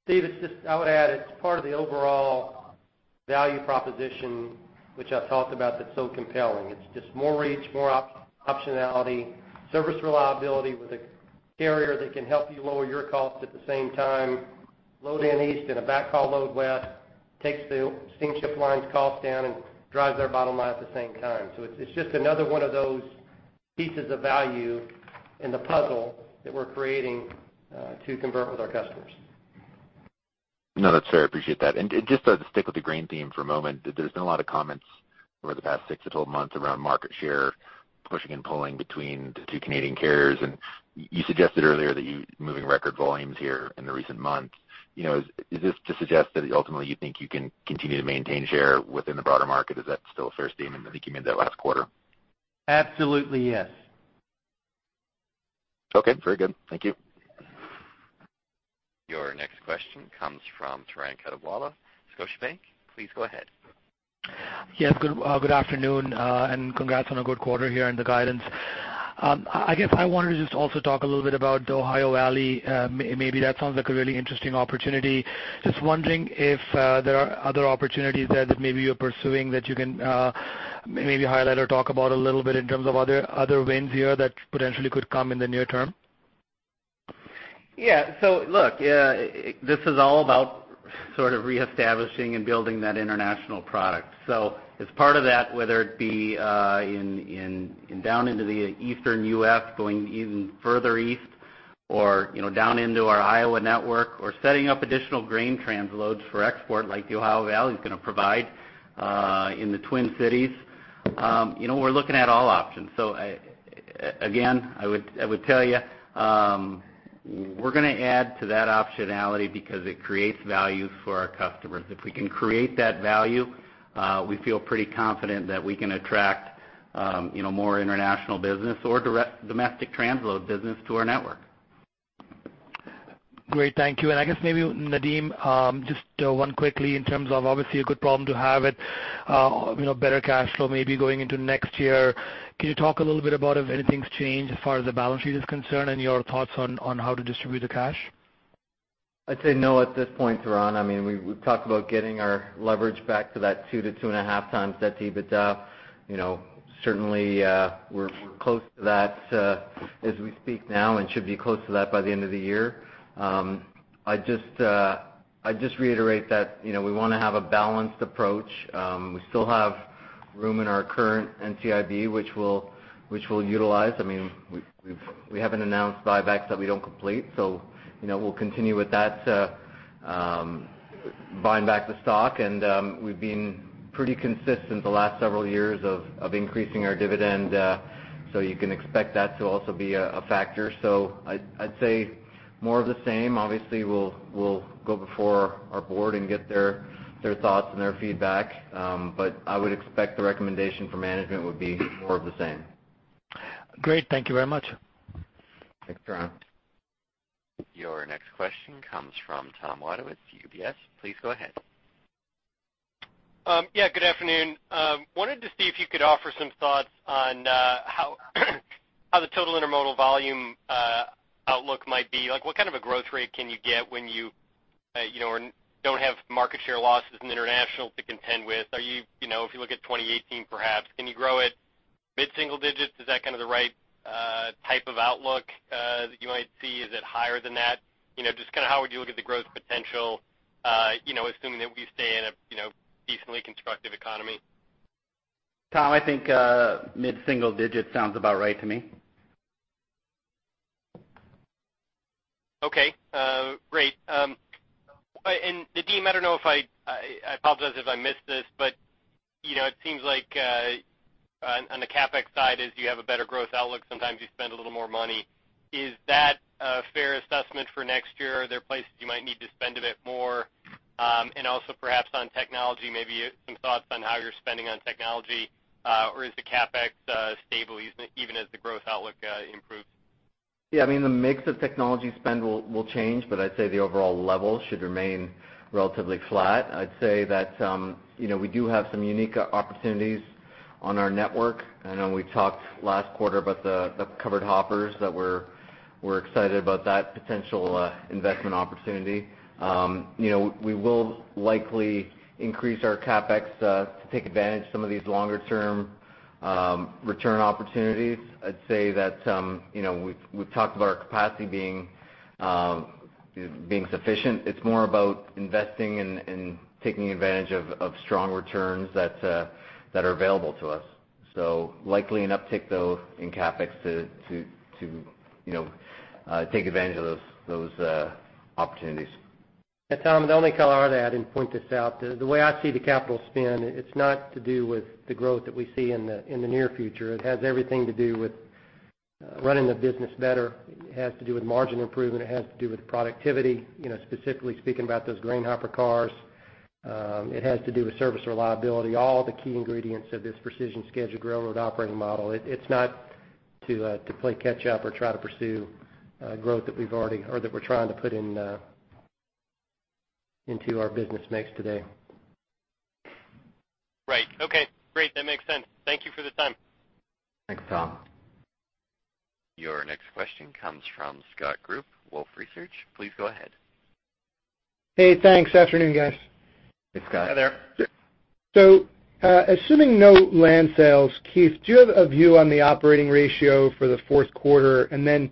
Steve, it's just, I would add, it's part of the overall value proposition, which I've talked about, that's so compelling. It's just more reach, more optionality, service reliability with a carrier that can help you lower your costs at the same time, load in east and a backhaul load west, takes the steamship lines' costs down and drives their bottom line at the same time. So it's just another one of those pieces of value in the puzzle that we're creating to convert with our customers. No, that's fair. I appreciate that. And just to stick with the grain theme for a moment, there's been a lot of comments over the past 6-12 months around market share, pushing and pulling between the two Canadian carriers. And you suggested earlier that you're moving record volumes here in the recent months. You know, is this to suggest that ultimately you think you can continue to maintain share within the broader market? Is that still a fair statement, thinking about that last quarter? Absolutely, yes. Okay, very good. Thank you. ...Our next question comes from Turan Quettawala, Scotiabank. Please go ahead. Yes, good afternoon, and congrats on a good quarter here and the guidance. I guess I wanted to just also talk a little bit about the Ohio Valley. Maybe that sounds like a really interesting opportunity. Just wondering if there are other opportunities there that maybe you're pursuing that you can maybe highlight or talk about a little bit in terms of other wins here that potentially could come in the near term? Yeah. So look, yeah, this is all about sort of reestablishing and building that international product. So as part of that, whether it be, in, in, down into the Eastern U.S., going even further east or, you know, down into our Iowa network, or setting up additional grain transloads for export, like the Ohio Valley is gonna provide, in the Twin Cities, you know, we're looking at all options. So again, I would, I would tell you, we're gonna add to that optionality because it creates value for our customers. If we can create that value, we feel pretty confident that we can attract, you know, more international business or direct domestic transload business to our network. Great. Thank you. I guess maybe, Nadeem, just one quickly in terms of, obviously, a good problem to have, you know, better cash flow maybe going into next year. Can you talk a little bit about if anything's changed as far as the balance sheet is concerned and your thoughts on how to distribute the cash? I'd say no at this point, Turan. I mean, we've talked about getting our leverage back to that 2x-2.5x EBITDA. You know, certainly, we're close to that as we speak now and should be close to that by the end of the year. I just reiterate that, you know, we wanna have a balanced approach. We still have room in our current NCIB, which we'll utilize. I mean, we've we haven't announced buybacks that we don't complete, so, you know, we'll continue with that buying back the stock. And we've been pretty consistent the last several years of increasing our dividend, so you can expect that to also be a factor. So I'd say more of the same. Obviously, we'll go before our board and get their thoughts and their feedback, but I would expect the recommendation for management would be more of the same. Great. Thank you very much. Thanks, Tarin. Your next question comes from Thomas Wadewitz, UBS. Please go ahead. Yeah, good afternoon. Wanted to see if you could offer some thoughts on how the total intermodal volume outlook might be. Like, what kind of a growth rate can you get when you, you know, or don't have market share losses in international to contend with? Are you, you know, if you look at 2018, perhaps, can you grow it mid-single digits? Is that kind of the right type of outlook that you might see? Is it higher than that? You know, just kind of how would you look at the growth potential, you know, assuming that we stay in a, you know, decently constructive economy? Tom, I think, mid-single digits sounds about right to me. Okay, great. Nadeem, I don't know if I apologize if I missed this, but, you know, it seems like on the CapEx side, as you have a better growth outlook, sometimes you spend a little more money. Is that a fair assessment for next year? Are there places you might need to spend a bit more? And also perhaps on technology, maybe some thoughts on how you're spending on technology, or is the CapEx stable, even as the growth outlook improves? Yeah, I mean, the mix of technology spend will change, but I'd say the overall level should remain relatively flat. I'd say that, you know, we do have some unique opportunities on our network. I know we talked last quarter about the covered hoppers that we're excited about that potential investment opportunity. You know, we will likely increase our CapEx to take advantage of some of these longer-term return opportunities. I'd say that, you know, we've talked about our capacity being sufficient. It's more about investing and taking advantage of strong returns that are available to us. So likely an uptick, though, in CapEx to take advantage of those opportunities. And Tom, the only color I'd add and point this out, the way I see the capital spend, it's not to do with the growth that we see in the near future. It has everything to do with running the business better. It has to do with margin improvement. It has to do with productivity, you know, specifically speaking about those grain hopper cars. It has to do with service reliability, all the key ingredients of this precision scheduled railroad operating model. It's not to play catch up or try to pursue growth that we've already or that we're trying to put in into our business mix today. Right. Okay, great. That makes sense. Thank you for the time. Thanks, Tom. Your next question comes from Scott Group, Wolfe Research. Please go ahead. Hey, thanks. Afternoon, guys. Hey, Scott. Hi there. Assuming no land sales, Keith, do you have a view on the operating ratio for the fourth quarter? Nadeem,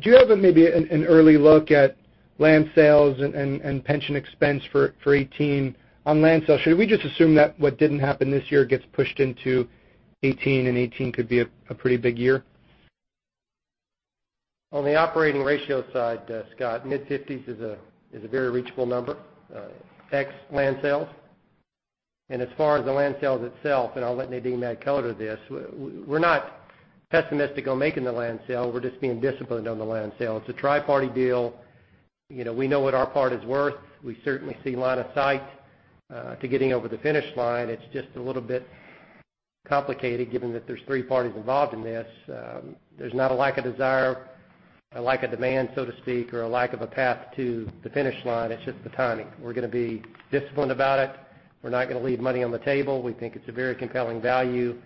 do you have maybe an early look at land sales and pension expense for 2018 on land sales? Should we just assume that what didn't happen this year gets pushed into 2018, and 2018 could be a pretty big year? On the operating ratio side, Scott, mid-fifties is a very reachable number, ex land sales. As far as the land sales itself, and I'll let Nadeem add color to this, we're not pessimistic on making the land sale. We're just being disciplined on the land sale. It's a tri-party deal. You know, we know what our part is worth. We certainly see line of sight to getting over the finish line. It's just a little bit complicated, given that there's three parties involved in this. There's not a lack of desire, a lack of demand, so to speak, or a lack of a path to the finish line. It's just the timing. We're gonna be disciplined about it. We're not gonna leave money on the table. We think it's a very compelling value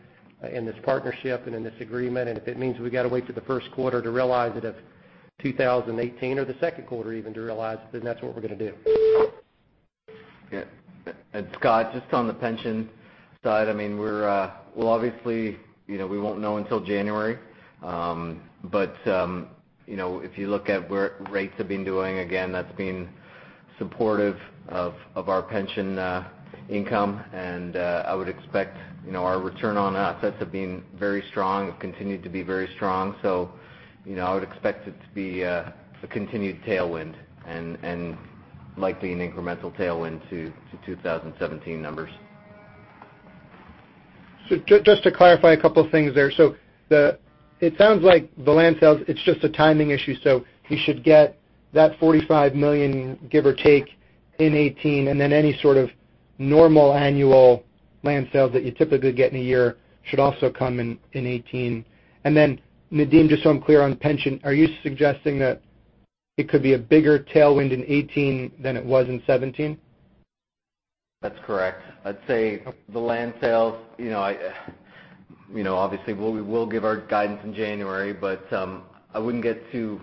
in this partnership and in this agreement. If it means we've got to wait till the first quarter of 2018 to realize it, or the second quarter even to realize, then that's what we're gonna do. And Scott, just on the pension side, I mean, we're well, obviously, you know, we won't know until January. But you know, if you look at where rates have been doing, again, that's been supportive of our pension income. And I would expect, you know, our return on assets have been very strong, have continued to be very strong. So, you know, I would expect it to be a continued tailwind and likely an incremental tailwind to 2017 numbers. So just to clarify a couple of things there. So it sounds like the land sales, it's just a timing issue, so you should get that $45 million, give or take, in 2018, and then any sort of normal annual land sales that you typically get in a year should also come in, in 2018. And then, Nadeem, just so I'm clear on pension, are you suggesting that it could be a bigger tailwind in 2018 than it was in 2017? That's correct. I'd say the land sales, you know, obviously, we will give our guidance in January, but I wouldn't get too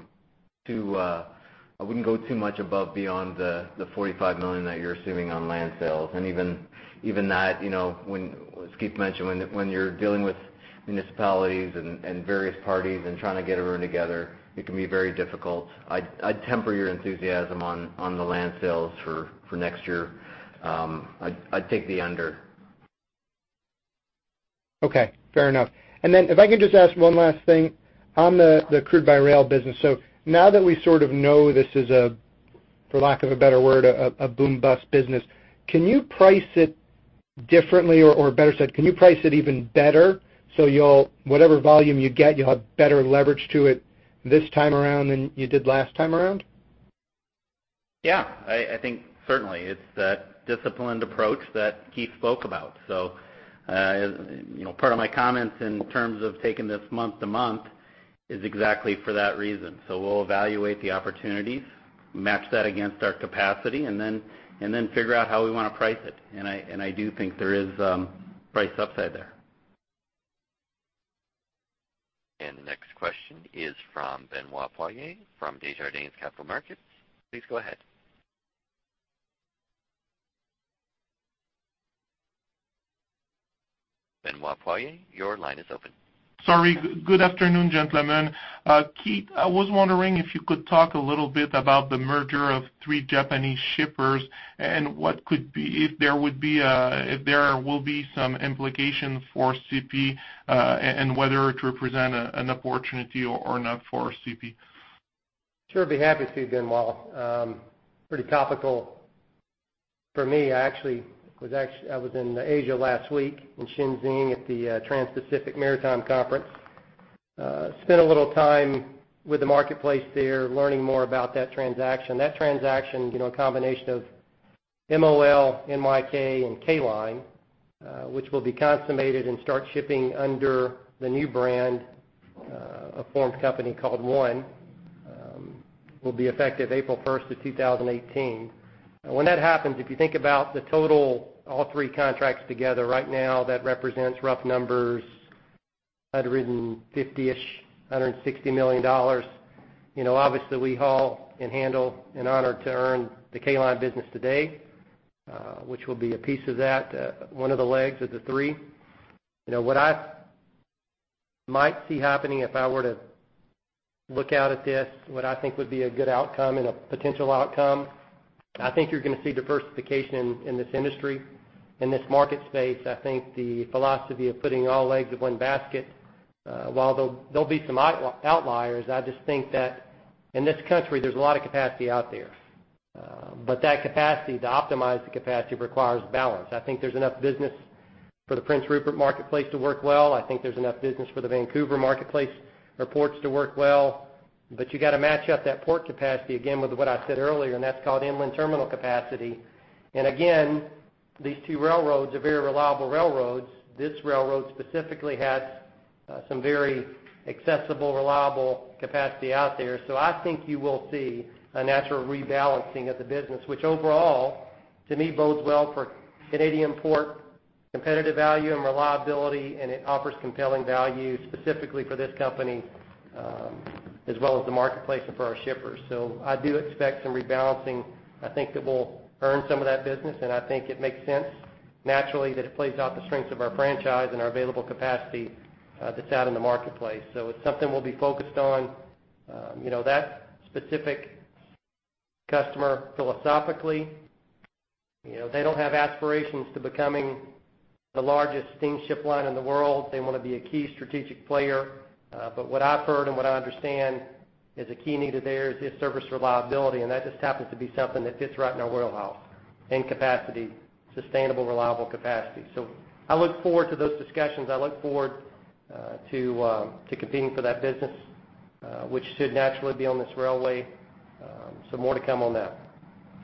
much above beyond the $45 million that you're assuming on land sales. And even that, you know, when, as Keith mentioned, when you're dealing with municipalities and various parties and trying to get a room together, it can be very difficult. I'd temper your enthusiasm on the land sales for next year. I'd take the under. Okay, fair enough. And then if I can just ask one last thing on the, the crude by rail business. So now that we sort of know this is a, for lack of a better word, a, a boom-bust business, can you price it differently? Or, or better said, can you price it even better so you'll-- whatever volume you get, you'll have better leverage to it this time around than you did last time around? Yeah, I think certainly it's that disciplined approach that Keith spoke about. So, you know, part of my comments in terms of taking this month to month is exactly for that reason. So we'll evaluate the opportunities, match that against our capacity, and then figure out how we want to price it. And I do think there is price upside there. The next question is from Benoit Poirier, from Desjardins Capital Markets. Please go ahead. Benoit Poirier, your line is open. Sorry. Good afternoon, gentlemen. Keith, I was wondering if you could talk a little bit about the merger of three Japanese shippers and if there will be some implication for CP, and whether it represent an opportunity or not for CP. Sure, be happy to, Benoit. Pretty topical for me. I actually, I was in Asia last week, in Shenzhen, at the Trans-Pacific Maritime Conference. Spent a little time with the marketplace there, learning more about that transaction. That transaction, you know, a combination of MOL, NYK and K Line, which will be consummated and start shipping under the new brand, a formed company called ONE, will be effective April first of 2018. And when that happens, if you think about the total, all three contracts together right now, that represents rough numbers, $150-$160 million. You know, obviously, we haul and handle in honor to earn the K Line business today, which will be a piece of that, one of the legs of the three. You know, what I might see happening if I were to look out at this, what I think would be a good outcome and a potential outcome, I think you're gonna see diversification in this industry, in this market space. I think the philosophy of putting all eggs in one basket, while there'll be some outliers, I just think that in this country, there's a lot of capacity out there. But that capacity, to optimize the capacity, requires balance. I think there's enough business for the Prince Rupert marketplace to work well. I think there's enough business for the Vancouver marketplace ports to work well, but you got to match up that port capacity again with what I said earlier, and that's called inland terminal capacity. And again, these two railroads are very reliable railroads. This railroad specifically has some very accessible, reliable capacity out there. So I think you will see a natural rebalancing of the business, which overall, to me, bodes well for Canadian Pacific, competitive value and reliability, and it offers compelling value specifically for this company, as well as the marketplace and for our shippers. So I do expect some rebalancing. I think that we'll earn some of that business, and I think it makes sense naturally, that it plays out the strengths of our franchise and our available capacity, that's out in the marketplace. So it's something we'll be focused on. You know, that specific customer philosophically, you know, they don't have aspirations to becoming the largest steamship line in the world. They want to be a key strategic player. But what I've heard and what I understand is a key need of theirs is service reliability, and that just happens to be something that fits right in our wheelhouse, and capacity, sustainable, reliable capacity. So I look forward to those discussions. I look forward to competing for that business, which should naturally be on this railway. So more to come on that....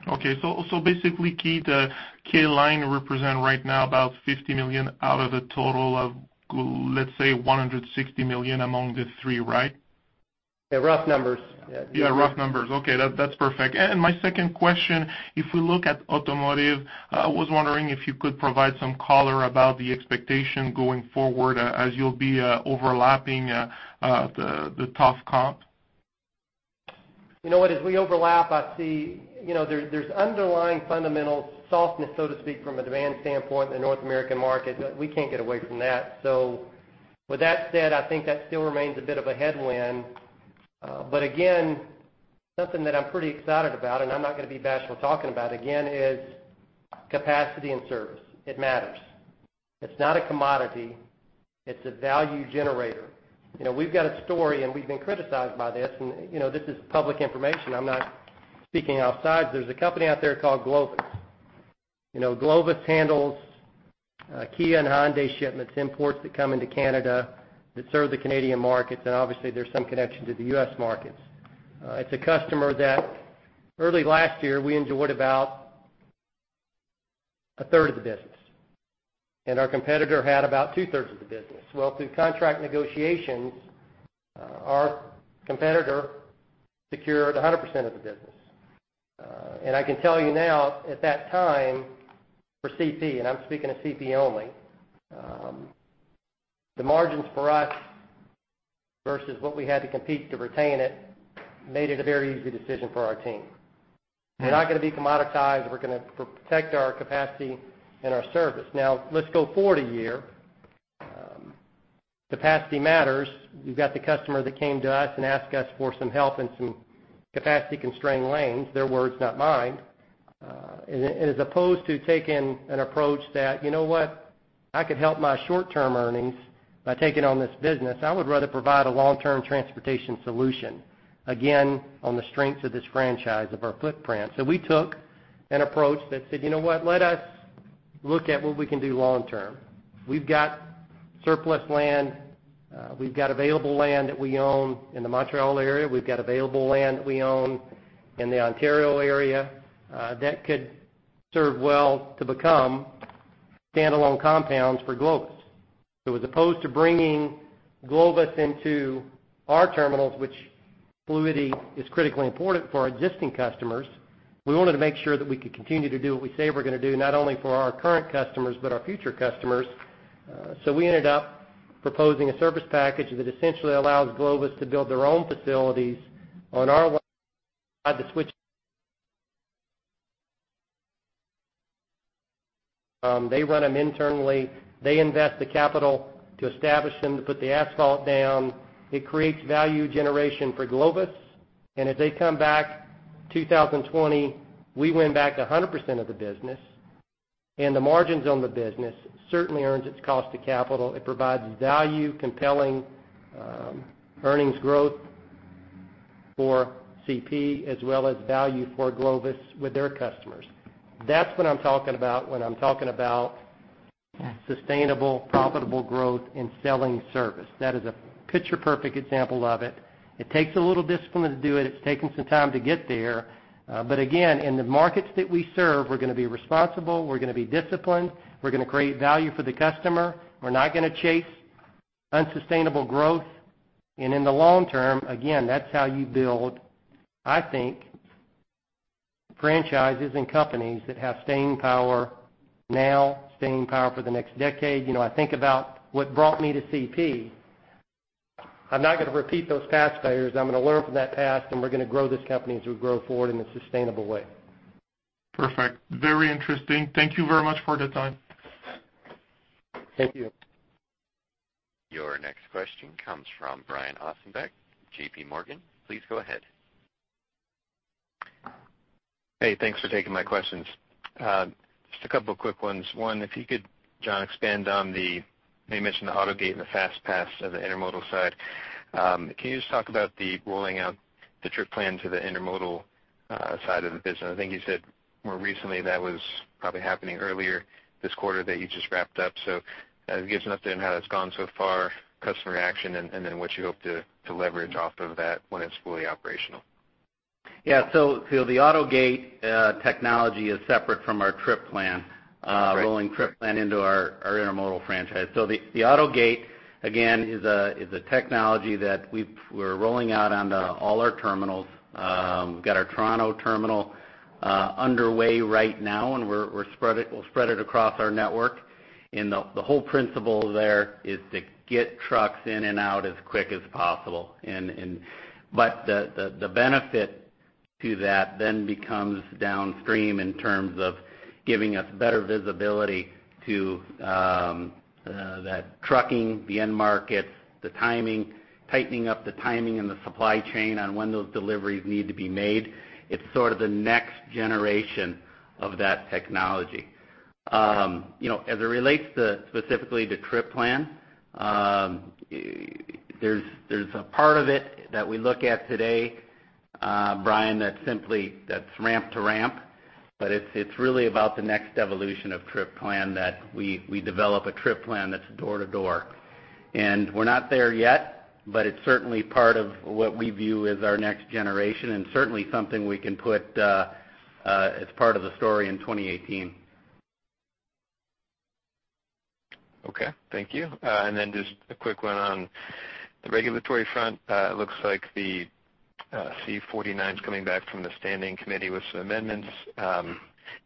Okay, so basically, Keith, the "K" Line represent right now about $50 million out of the total of—let's say, $160 million among the three, right? Yeah, rough numbers. Yeah. Yeah, rough numbers. Okay, that's perfect. My second question, if we look at automotive, I was wondering if you could provide some color about the expectation going forward, as you'll be the tough comp? You know what? As we overlap, I see, you know, there's underlying fundamental softness, so to speak, from a demand standpoint in the North American market. We can't get away from that. So with that said, I think that still remains a bit of a headwind. But again, something that I'm pretty excited about, and I'm not going to be bashful talking about, again, is capacity and service. It matters. It's not a commodity, it's a value generator. You know, we've got a story, and we've been criticized by this, and, you know, this is public information. I'm not speaking outside. There's a company out there called Glovis. You know, Glovis handles Kia and Hyundai shipments, imports that come into Canada that serve the Canadian markets, and obviously, there's some connection to the US markets. It's a customer that early last year, we enjoyed about a third of the business, and our competitor had about two-thirds of the business. Well, through contract negotiations, our competitor secured 100% of the business. And I can tell you now, at that time, for CP, and I'm speaking of CP only, the margins for us versus what we had to compete to retain it, made it a very easy decision for our team. They're not going to be commoditized. We're going to protect our capacity and our service. Now, let's go forward a year. Capacity matters. You've got the customer that came to us and asked us for some help in some capacity-constrained lanes, their words, not mine. And as opposed to taking an approach that, you know what? I could help my short-term earnings by taking on this business. I would rather provide a long-term transportation solution, again, on the strengths of this franchise of our footprint. So we took an approach that said, "You know what? Let us look at what we can do long term." We've got surplus land. We've got available land that we own in the Montreal area. We've got available land that we own in the Ontario area, that could serve well to become standalone compounds for Glovis. So as opposed to bringing Glovis into our terminals, which fluidity is critically important for our existing customers, we wanted to make sure that we could continue to do what we say we're going to do, not only for our current customers, but our future customers. So we ended up proposing a service package that essentially allows Glovis to build their own facilities on our land, have to switch. They run them internally, they invest the capital to establish them, to put the asphalt down. It creates value generation for Glovis, and as they come back, 2020, we win back 100% of the business, and the margins on the business certainly earns its cost to capital. It provides value, compelling, earnings growth for CP, as well as value for Glovis with their customers. That's what I'm talking about when I'm talking about sustainable, profitable growth in selling service. That is a picture-perfect example of it. It takes a little discipline to do it. It's taken some time to get there, but again, in the markets that we serve, we're going to be responsible, we're going to be disciplined, we're going to create value for the customer. We're not going to chase unsustainable growth. In the long term, again, that's how you build, I think, franchises and companies that have staying power now, staying power for the next decade. You know, I think about what brought me to CP. I'm not going to repeat those past failures. I'm going to learn from that past, and we're going to grow this company as we grow forward in a sustainable way. Perfect. Very interesting. Thank you very much for the time. Thank you. Your next question comes from Brian Ossenbeck, J.P. Morgan. Please go ahead. Hey, thanks for taking my questions. Just a couple of quick ones. One, if you could, John, expand on the... You mentioned the AutoGate and the FastPass of the intermodal side. Can you just talk about the rolling out the Trip Plan to the intermodal side of the business? I think you said more recently that was probably happening earlier this quarter that you just wrapped up. So give us an update on how that's gone so far, customer action, and then what you hope to leverage off of that when it's fully operational. Yeah. So the AutoGate technology is separate from our Trip Plan, our rolling Trip Plan into our intermodal franchise. So the AutoGate, again, is a technology that we're rolling out onto all our terminals. We've got our Toronto terminal underway right now, and we'll spread it across our network. And the whole principle there is to get trucks in and out as quick as possible. But the benefit to that then becomes downstream in terms of giving us better visibility to that trucking, the end markets, the timing, tightening up the timing and the supply chain on when those deliveries need to be made. It's sort of the next generation of that technology. You know, as it relates to, specifically to Trip Plan, there's a part of it that we look at today, Brian, that's simply—that's ramp to ramp, but it's really about the next evolution of Trip Plan that we develop a trip plan that's door to door... and we're not there yet, but it's certainly part of what we view as our next generation, and certainly something we can put as part of the story in 2018. Okay. Thank you. And then just a quick one on the regulatory front. It looks like the C-49's coming back from the standing committee with some amendments. If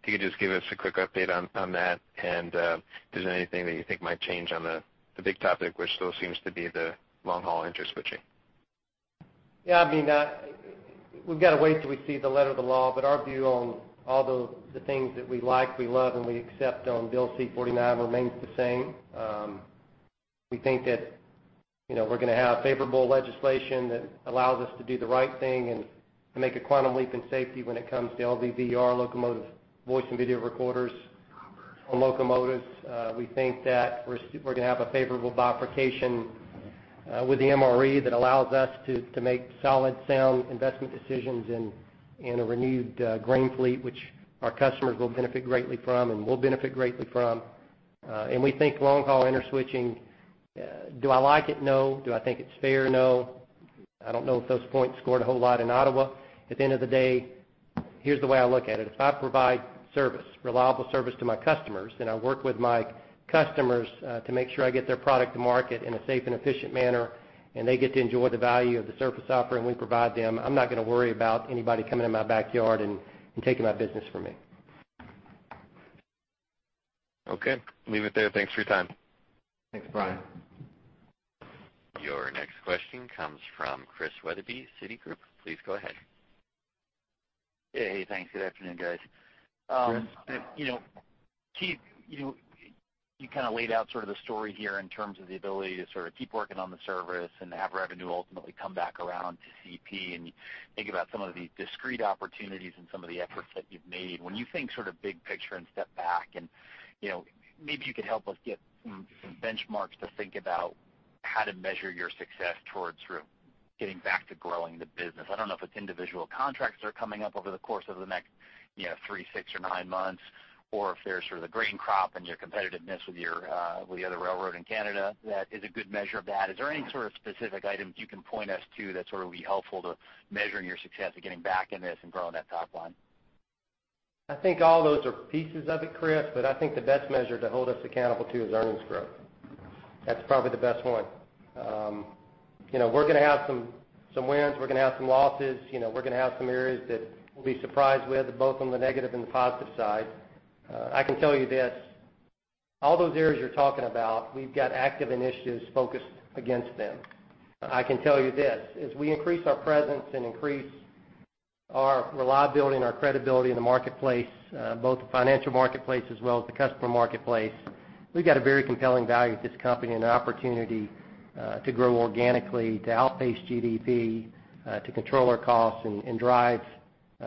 you could just give us a quick update on that, and is there anything that you think might change on the big topic, which still seems to be the long-haul interswitching? Yeah, I mean, we've got to wait till we see the letter of the law, but our view on all the, the things that we like, we love, and we accept on Bill C-49 remains the same. We think that, you know, we're gonna have favorable legislation that allows us to do the right thing and to make a quantum leap in safety when it comes to LVVR, locomotive voice & video recorders on locomotives. We think that we're gonna have a favorable bifurcation with the MRE, that allows us to make solid, sound investment decisions in a renewed grain fleet, which our customers will benefit greatly from and will benefit greatly from. And we think long-haul interswitching, do I like it? No. Do I think it's fair? No. I don't know if those points scored a whole lot in Ottawa. At the end of the day, here's the way I look at it: If I provide service, reliable service to my customers, and I work with my customers, to make sure I get their product to market in a safe and efficient manner, and they get to enjoy the value of the service offering we provide them, I'm not gonna worry about anybody coming in my backyard and taking my business from me. Okay, leave it there. Thanks for your time. Thanks, Brian. Your next question comes from Chris Wetherbee, Citigroup. Please go ahead. Hey, thanks. Good afternoon, guys. Chris. You know, Keith, you know, you kind of laid out sort of the story here in terms of the ability to sort of keep working on the service and to have revenue ultimately come back around to CP, and you think about some of the discrete opportunities and some of the efforts that you've made. When you think sort of big picture and step back and, you know, maybe you could help us get some benchmarks to think about how to measure your success towards sort of getting back to growing the business. I don't know if it's individual contracts that are coming up over the course of the next, you know, three, six, or nine months, or if there's sort of the grain crop and your competitiveness with the other railroad in Canada, that is a good measure of that. Is there any sort of specific items you can point us to that sort of would be helpful to measuring your success of getting back in this and growing that top line? I think all those are pieces of it, Chris, but I think the best measure to hold us accountable to is earnings growth. That's probably the best one. You know, we're gonna have some, some wins, we're gonna have some losses, you know, we're gonna have some areas that we'll be surprised with, both on the negative and the positive side. I can tell you this: All those areas you're talking about, we've got active initiatives focused against them. I can tell you this: As we increase our presence and increase our reliability and our credibility in the marketplace, both the financial marketplace as well as the customer marketplace, we've got a very compelling value at this company and an opportunity to grow organically, to outpace GDP, to control our costs and, and drive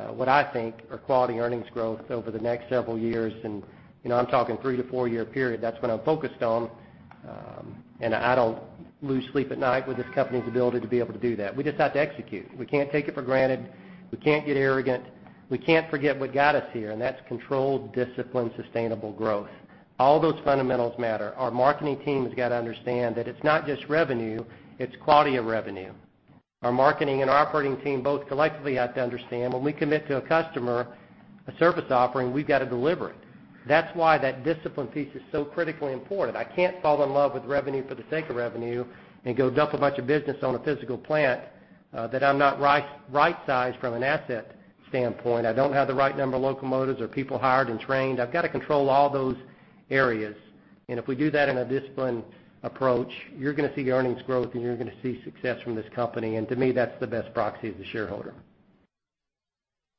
what I think are quality earnings growth over the next several years. And, you know, I'm talking 3-4-year period. That's what I'm focused on, and I don't lose sleep at night with this company's ability to be able to do that. We just have to execute. We can't take it for granted. We can't get arrogant. We can't forget what got us here, and that's controlled, disciplined, sustainable growth. All those fundamentals matter. Our marketing team has got to understand that it's not just revenue, it's quality of revenue. Our marketing and operating team both collectively have to understand when we commit to a customer, a service offering, we've got to deliver it. That's why that discipline piece is so critically important. I can't fall in love with revenue for the sake of revenue and go dump a bunch of business on a physical plant, that I'm not right, right-sized from an asset standpoint. I don't have the right number of locomotives or people hired and trained. I've got to control all those areas. And if we do that in a disciplined approach, you're gonna see earnings growth, and you're gonna see success from this company. And to me, that's the best proxy as a shareholder.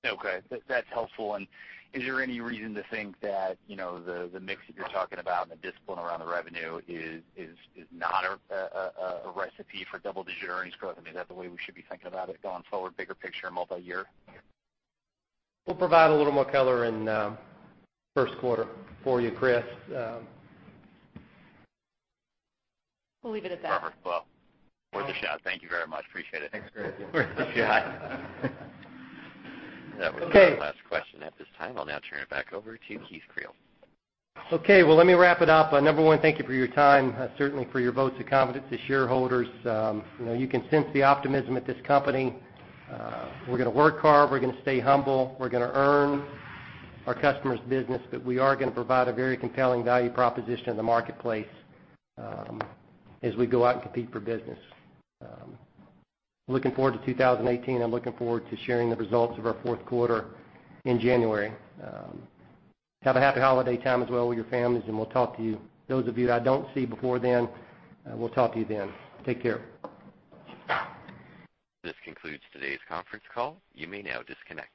Okay, that's helpful. And is there any reason to think that, you know, the mix that you're talking about and the discipline around the revenue is not a recipe for double-digit earnings growth? I mean, is that the way we should be thinking about it going forward, bigger picture, multi-year? We'll provide a little more color in first quarter for you, Chris. We'll leave it at that. Well, worth a shot. Thank you very much. Appreciate it. Thanks, Chris. Worth a shot. That was our last question at this time. I'll now turn it back over to Keith Creel. Okay, well, let me wrap it up. Number one, thank you for your time, certainly for your vote of confidence to shareholders. You know, you can sense the optimism at this company. We're gonna work hard, we're gonna stay humble, we're gonna earn our customers' business, but we are gonna provide a very compelling value proposition in the marketplace, as we go out and compete for business. Looking forward to 2018, and looking forward to sharing the results of our fourth quarter in January. Have a happy holiday time as well with your families, and we'll talk to you. Those of you that I don't see before then, we'll talk to you then. Take care. This concludes today's conference call. You may now disconnect.